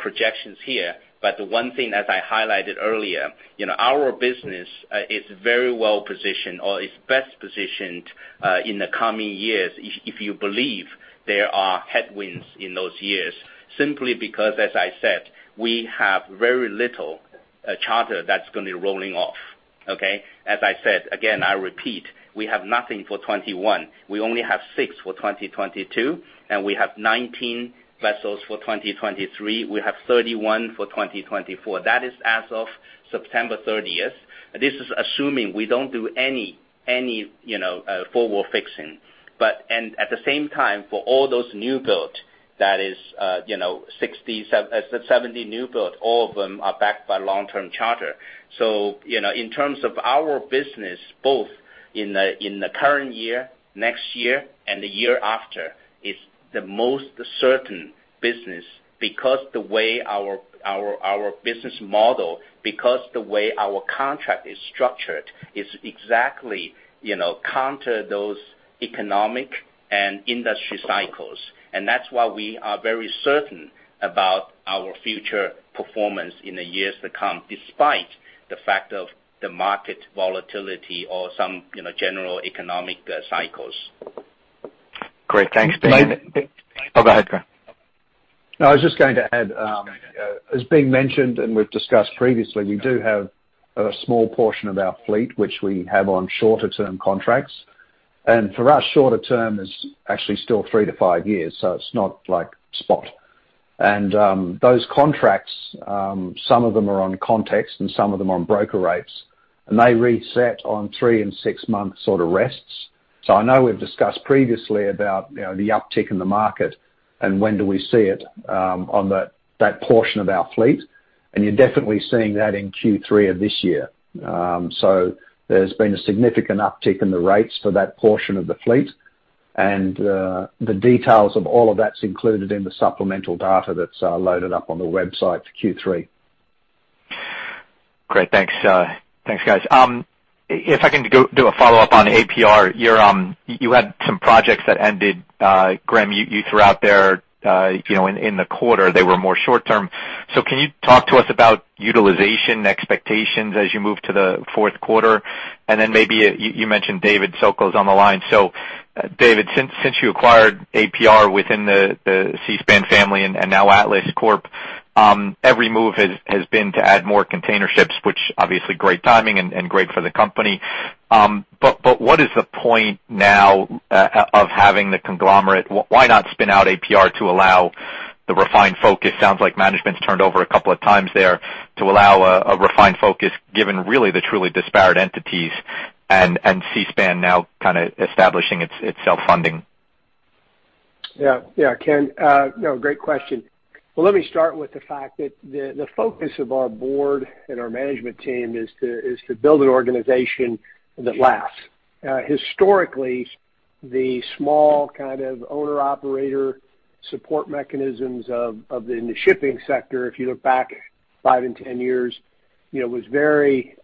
Speaker 3: projections here, but the one thing as I highlighted earlier, you know, our business is very well-positioned or is best positioned in the coming years if you believe there are headwinds in those years, simply because, as I said, we have very little charter that's gonna be rolling off, okay? As I said, again, I repeat, we have nothing for 2021. We only have six for 2022, and we have 19 vessels for 2023. We have 31 for 2024. That is as of September 30. This is assuming we don't do any, you know, forward fixing. But at the same time, for all those new build, that is, you know, 60-70 new build, all of them are backed by long-term charter. You know, in terms of our business, both in the current year, next year, and the year after, it's the most certain business because the way our business model, because the way our contract is structured is exactly, you know, counter those economic and industry cycles. That's why we are very certain about our future performance in the years to come, despite the fact of the market volatility or some, you know, general economic cycles.
Speaker 10: Great. Thanks, Bing.
Speaker 3: May-
Speaker 10: Oh, go ahead, Graham.
Speaker 4: No, I was just going to add, as Bing mentioned, and we've discussed previously, we do have a small portion of our fleet which we have on shorter term contracts. For us, shorter term is actually still three to five years, so it's not like spot. Those contracts, some of them are on ConTex and some of them are on broker rates. They reset on three- and six-month sort of resets. I know we've discussed previously about, you know, the uptick in the market and when do we see it, on that portion of our fleet, and you're definitely seeing that in Q3 of this year. There's been a significant uptick in the rates for that portion of the fleet. The details of all of that's included in the supplemental data that's loaded up on the website for Q3.
Speaker 10: Great. Thanks. Thanks, guys. If I can go do a follow-up on APR, you had some projects that ended, Graham, you threw out there, you know, in the quarter, they were more short-term. Can you talk to us about utilization expectations as you move to the fourth quarter? Maybe you mentioned David Sokol is on the line. David, since you acquired APR within the Seaspan family and now Atlas Corp, every move has been to add more containerships, which obviously great timing and great for the company. What is the point now of having the conglomerate? Why not spin out APR to allow the refined focus? Sounds like management's turned over a couple of times there to allow a refined focus given really the truly disparate entities and Seaspan now kinda establishing its self-funding.
Speaker 11: Yeah. Yeah, Ken. No, great question. Well, let me start with the fact that the focus of our board and our management team is to build an organization that lasts. Historically, the small kind of owner/operator support mechanisms in the shipping sector, if you look back five and 10 years, you know, was very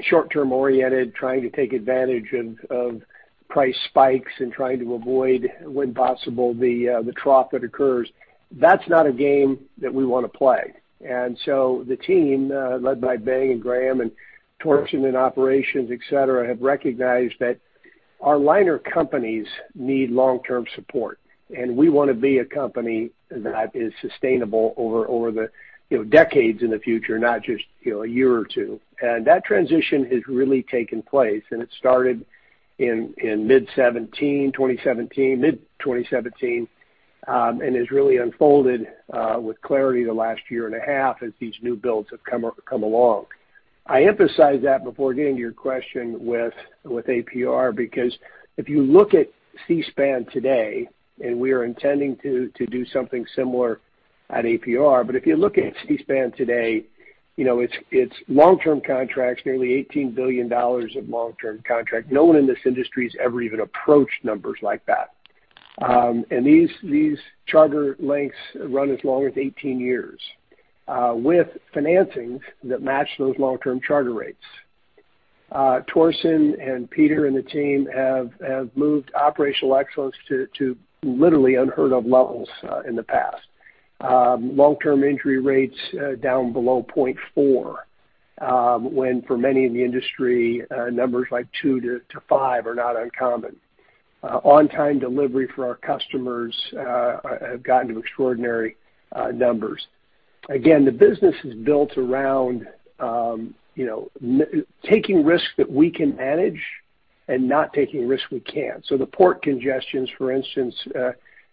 Speaker 11: short-term oriented, trying to take advantage of price spikes and trying to avoid, when possible, the trough that occurs. That's not a game that we wanna play. The team, led by Ben and Graham and Torsten in operations, et cetera, have recognized that our liner companies need long-term support, and we wanna be a company that is sustainable over the, you know, decades in the future, not just, you know, a year or two. That transition has really taken place, and it started in mid-2017 and has really unfolded with clarity the last year and a half as these new builds have come along. I emphasize that before getting to your question with APR because if you look at Seaspan today, and we are intending to do something similar at APR, but if you look at Seaspan today, you know, it's long-term contracts, nearly $18 billion of long-term contract. No one in this industry has ever even approached numbers like that. These charter lengths run as long as 18 years with financings that match those long-term charter rates. Torsten and Peter and the team have moved operational excellence to literally unheard of levels in the past. Long-term injury rates down below 0.4, when for many in the industry, numbers like two to five are not uncommon. On-time delivery for our customers have gotten to extraordinary numbers. Again, the business is built around, you know, taking risks that we can manage and not taking risks we can't. The port congestions, for instance,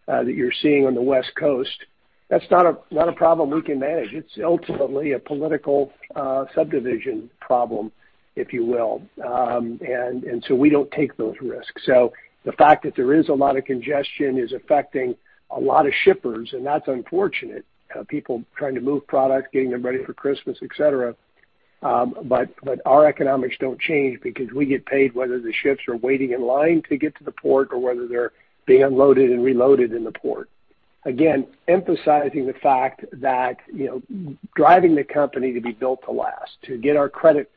Speaker 11: that you're seeing on the West Coast, that's not a problem we can manage. It's ultimately a political subdivision problem, if you will. We don't take those risks. The fact that there is a lot of congestion is affecting a lot of shippers, and that's unfortunate, people trying to move product, getting them ready for Christmas, et cetera. Our economics don't change because we get paid whether the ships are waiting in line to get to the port or whether they're being unloaded and reloaded in the port. Again, emphasizing the fact that, you know, driving the company to be built to last, to get our credit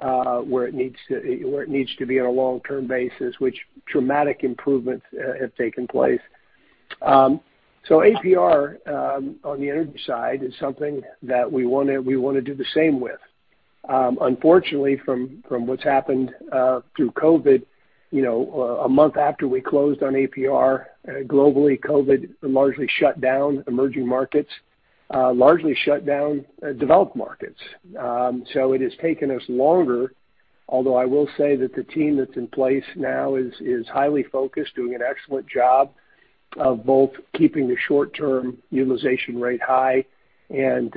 Speaker 11: where it needs to be on a long-term basis, which dramatic improvements have taken place. So APR on the energy side is something that we wanna do the same with. Unfortunately from what's happened through COVID, you know, a month after we closed on APR, globally, COVID largely shut down emerging markets, largely shut down developed markets. It has taken us longer, although I will say that the team that's in place now is highly focused, doing an excellent job of both keeping the short-term utilization rate high and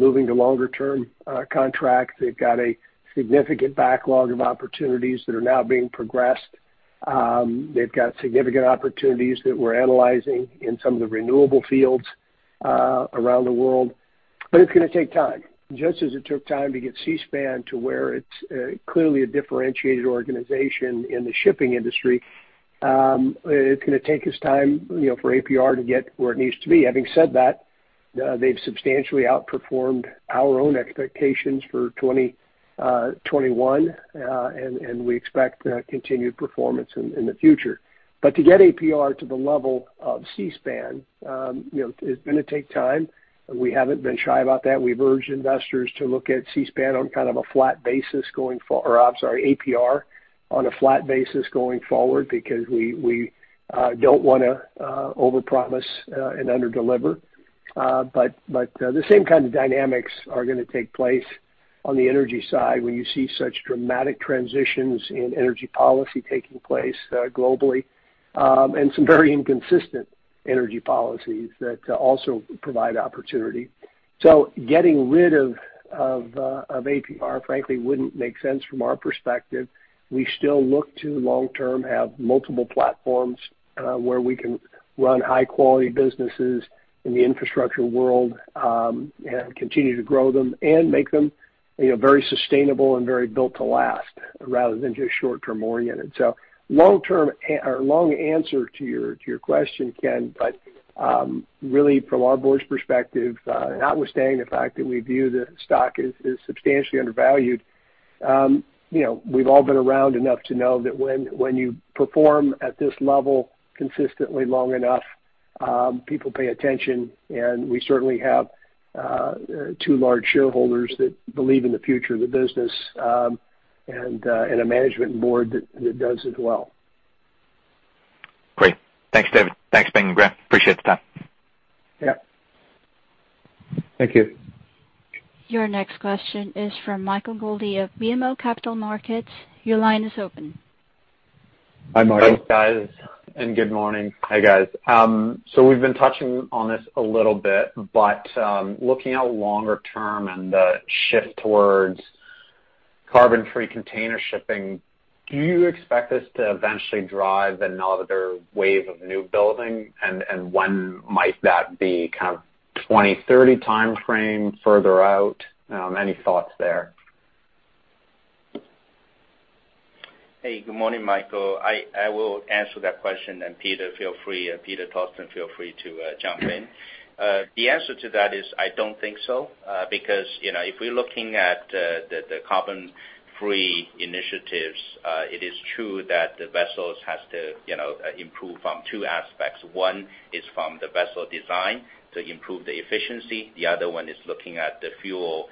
Speaker 11: moving to longer-term contracts. They've got a significant backlog of opportunities that are now being progressed. They've got significant opportunities that we're analyzing in some of the renewable fields around the world. It's gonna take time. Just as it took time to get Seaspan to where it's clearly a differentiated organization in the shipping industry, it's gonna take us time, you know, for APR to get where it needs to be. Having said that, they've substantially outperformed our own expectations for 2021 and we expect continued performance in the future. To get APR to the level of Seaspan, you know, is gonna take time. We haven't been shy about that. We've urged investors to look at APR on a flat basis going forward because we don't wanna overpromise and underdeliver. The same kind of dynamics are gonna take place on the energy side when you see such dramatic transitions in energy policy taking place globally, and some very inconsistent energy policies that also provide opportunity. Getting rid of APR, frankly, wouldn't make sense from our perspective. We still look to long-term have multiple platforms, where we can run high-quality businesses in the infrastructure world, and continue to grow them and make them, you know, very sustainable and very built to last rather than just short-term oriented. So long-term or long answer to your question, Ken, but, really from our board's perspective, notwithstanding the fact that we view the stock as substantially undervalued, you know, we've all been around enough to know that when you perform at this level consistently long enough, people pay attention, and we certainly have two large shareholders that believe in the future of the business, and a management board that does as well.
Speaker 10: Great. Thanks, David. Thanks, Bing and Graham. Appreciate the time.
Speaker 11: Yeah.
Speaker 3: Thank you.
Speaker 1: Your next question is from Michael Goldie of BMO Capital Markets. Your line is open.
Speaker 3: Hi, Michael.
Speaker 12: Thanks, guys, and good morning. Hi, guys. We've been touching on this a little bit, but looking out longer term and the shift towards carbon-free container shipping, do you expect this to eventually drive another wave of new building? When might that be? Kind of 20-30 timeframe, further out? Any thoughts there?
Speaker 3: Hey, good morning, Michael. I will answer that question, and Peter, feel free, Torsten Pedersen feel free to jump in. The answer to that is I don't think so, because, you know, if we're looking at the carbon-free initiatives, it is true that the vessels has to, you know, improve from two aspects. One is from the vessel design to improve the efficiency, the other one is looking at the fuel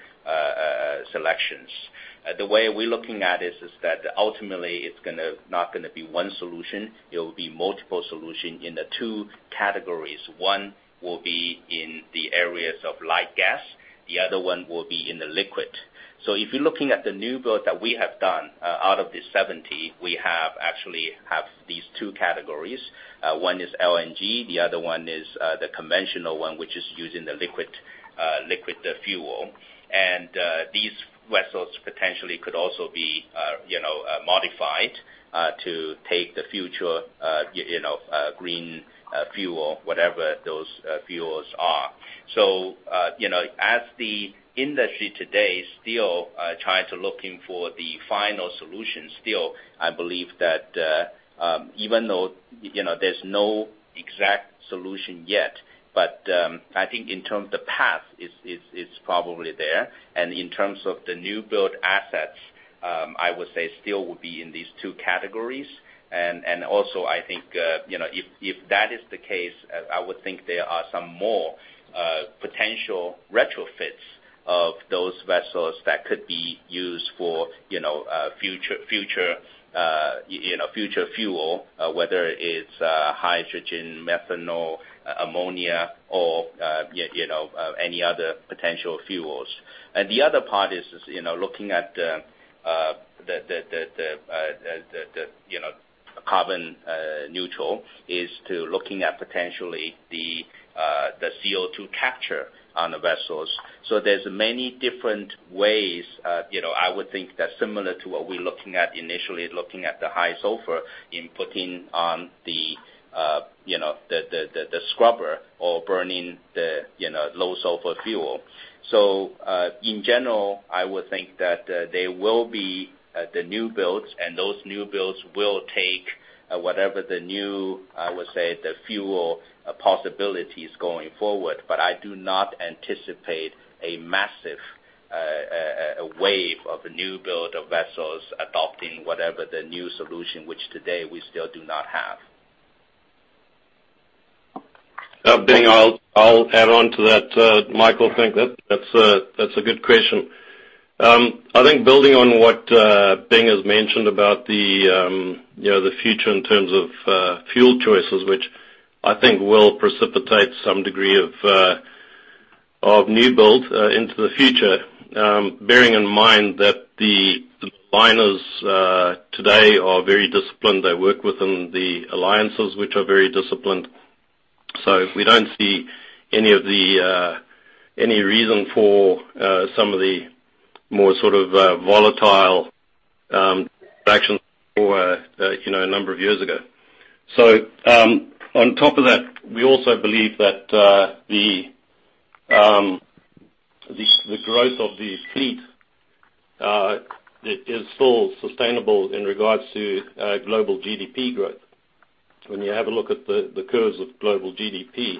Speaker 3: selections. The way we're looking at is that ultimately it's not gonna be one solution, it will be multiple solution in the two categories. One will be in the areas of light gas, the other one will be in the liquid. So if you're looking at the new build that we have done, out of the 70, we actually have these two categories. One is LNG, the other one is the conventional one, which is using the liquid fuel. These vessels potentially could also be, you know, modified to take the future, you know, green fuel, whatever those fuels are. You know, as the industry today still trying to look for the final solution still, I believe that even though, you know, there's no exact solution yet. I think in terms of the path is probably there. In terms of the new build assets, I would say still would be in these two categories. Also I think you know if that is the case I would think there are some more potential retrofits of those vessels that could be used for you know future fuel whether it's hydrogen methanol ammonia or you know any other potential fuels. The other part is you know looking at the carbon neutral ways to looking at potentially the CO2 capture on the vessels. There's many different ways you know I would think that similar to what we're looking at initially the high sulfur and putting on the scrubber or burning the low sulfur fuel. In general, I would think that there will be the new builds and those new builds will take whatever the new, I would say, the fuel possibilities going forward. I do not anticipate a massive a wave of new build of vessels adopting whatever the new solution, which today we still do not have.
Speaker 9: Bing, I'll add on to that, Michael. I think that's a good question. I think building on what Bing has mentioned about you know, the future in terms of fuel choices, which I think will precipitate some degree of new build into the future. Bearing in mind that the liners today are very disciplined. They work within the alliances which are very disciplined. We don't see any of the any reason for some of the more sort of volatile actions or you know, a number of years ago. On top of that, we also believe that the growth of these fleet it is still sustainable in regards to global GDP growth. When you have a look at the curves of global GDP,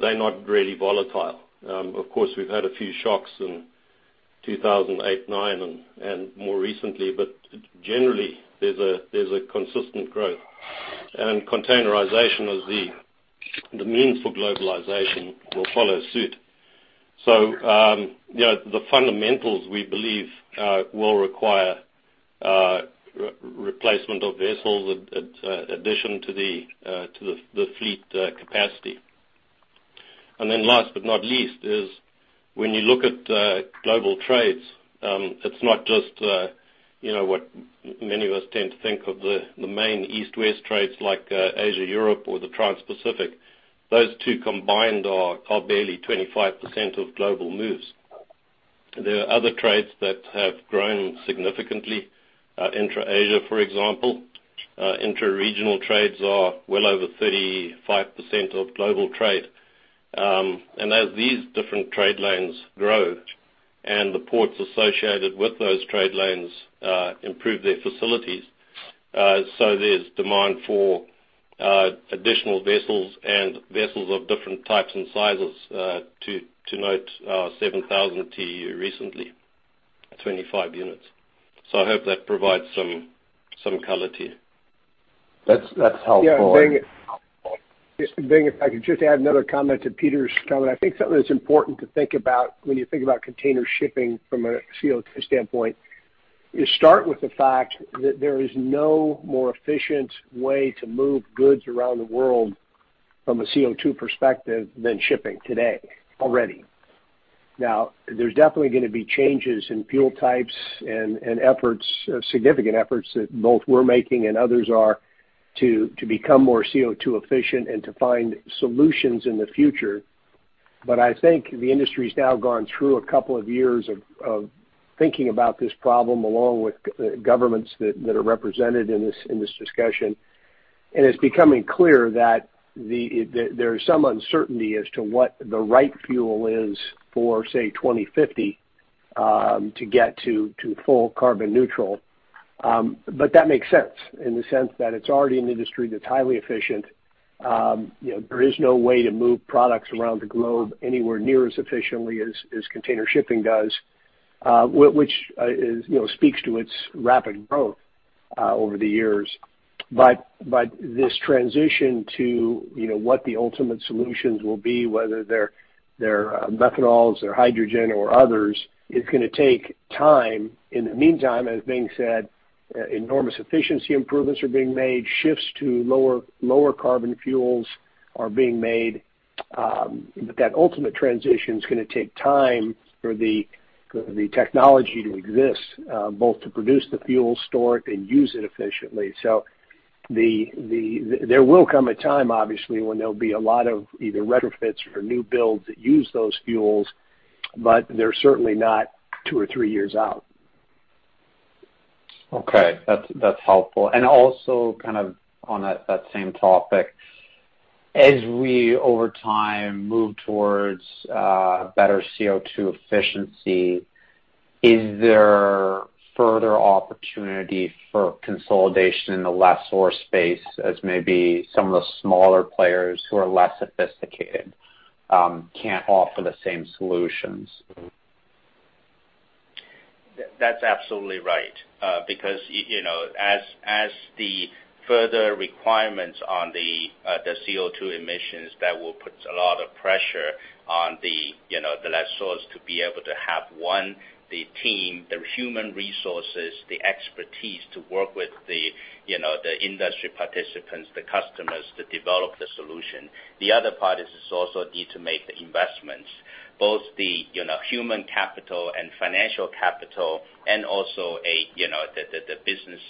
Speaker 9: they're not really volatile. Of course, we've had a few shocks in 2008, 2009 and more recently, but generally there's a consistent growth. Containerization as the means for globalization will follow suit. You know, the fundamentals we believe will require replacement of vessels, addition to the fleet capacity. Last but not least, when you look at global trades, it's not just, you know, what many of us tend to think of the main east-west trades like Asia-Europe or the Transpacific. Those two combined are barely 25% of global moves. There are other trades that have grown significantly, intra-Asia, for example. Intra-regional trades are well over 35% of global trade. As these different trade lanes grow and the ports associated with those trade lanes improve their facilities, so there's demand for additional vessels and vessels of different types and sizes to note our 7,000 TEU recently, 25 units. I hope that provides some color to you.
Speaker 12: That's helpful.
Speaker 11: Yeah. Bing, if I could just add another comment to Peter's comment. I think something that's important to think about when you think about container shipping from a CO2 standpoint, you start with the fact that there is no more efficient way to move goods around the world from a CO2 perspective than shipping today already. Now, there's definitely gonna be changes in fuel types and efforts, significant efforts that both we're making and others are to become more CO2 efficient and to find solutions in the future. I think the industry's now gone through a couple of years of thinking about this problem along with governments that are represented in this discussion. It's becoming clear that there is some uncertainty as to what the right fuel is for, say, 2050, to get to full carbon neutral. That makes sense in the sense that it's already an industry that's highly efficient. You know, there is no way to move products around the globe anywhere near as efficiently as container shipping does, which is you know, speaks to its rapid growth over the years. This transition to you know, what the ultimate solutions will be, whether they're methanols or hydrogen or others, it's gonna take time. In the meantime, as Bing said, enormous efficiency improvements are being made, shifts to lower carbon fuels are being made. That ultimate transition is gonna take time for the technology to exist both to produce the fuel, store it, and use it efficiently. There will come a time, obviously, when there'll be a lot of either retrofits or new builds that use those fuels, but they're certainly not two or three years out.
Speaker 12: Okay. That's helpful. Also kind of on that same topic. As we over time move towards better CO2 efficiency, is there further opportunity for consolidation in the lessor space as maybe some of the smaller players who are less sophisticated can't offer the same solutions?
Speaker 3: That's absolutely right. Because you know, as the further requirements on the CO2 emissions, that will put a lot of pressure on the lessor to be able to have the team, the human resources, the expertise to work with the industry participants, the customers to develop the solution. The other part is the need to make the investments, both the human capital and financial capital and also the business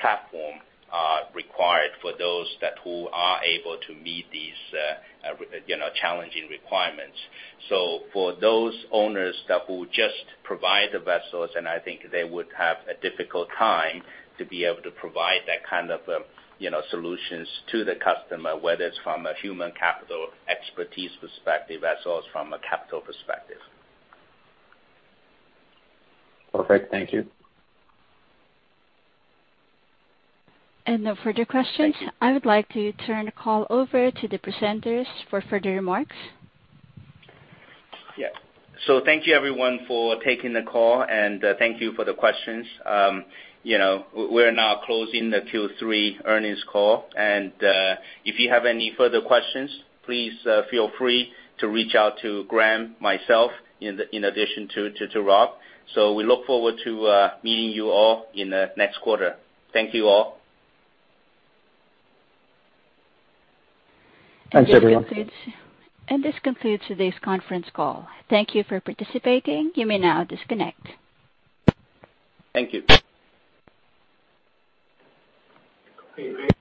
Speaker 3: platform required for those who are able to meet these challenging requirements. For those owners who just provide the vessels, and I think they would have a difficult time to be able to provide that kind of, you know, solutions to the customer, whether it's from a human capital expertise perspective as well as from a capital perspective.
Speaker 12: Perfect. Thank you.
Speaker 1: No further questions.
Speaker 12: Thank you.
Speaker 1: I would like to turn the call over to the presenters for further remarks.
Speaker 3: Yeah. Thank you everyone for taking the call, and thank you for the questions. You know, we're now closing the Q3 earnings call. If you have any further questions, please feel free to reach out to Graham, myself in addition to Rob. We look forward to meeting you all in the next quarter. Thank you all.
Speaker 11: Thanks, everyone.
Speaker 1: This concludes today's conference call. Thank you for participating. You may now disconnect.
Speaker 3: Thank you.
Speaker 11: Okay, great.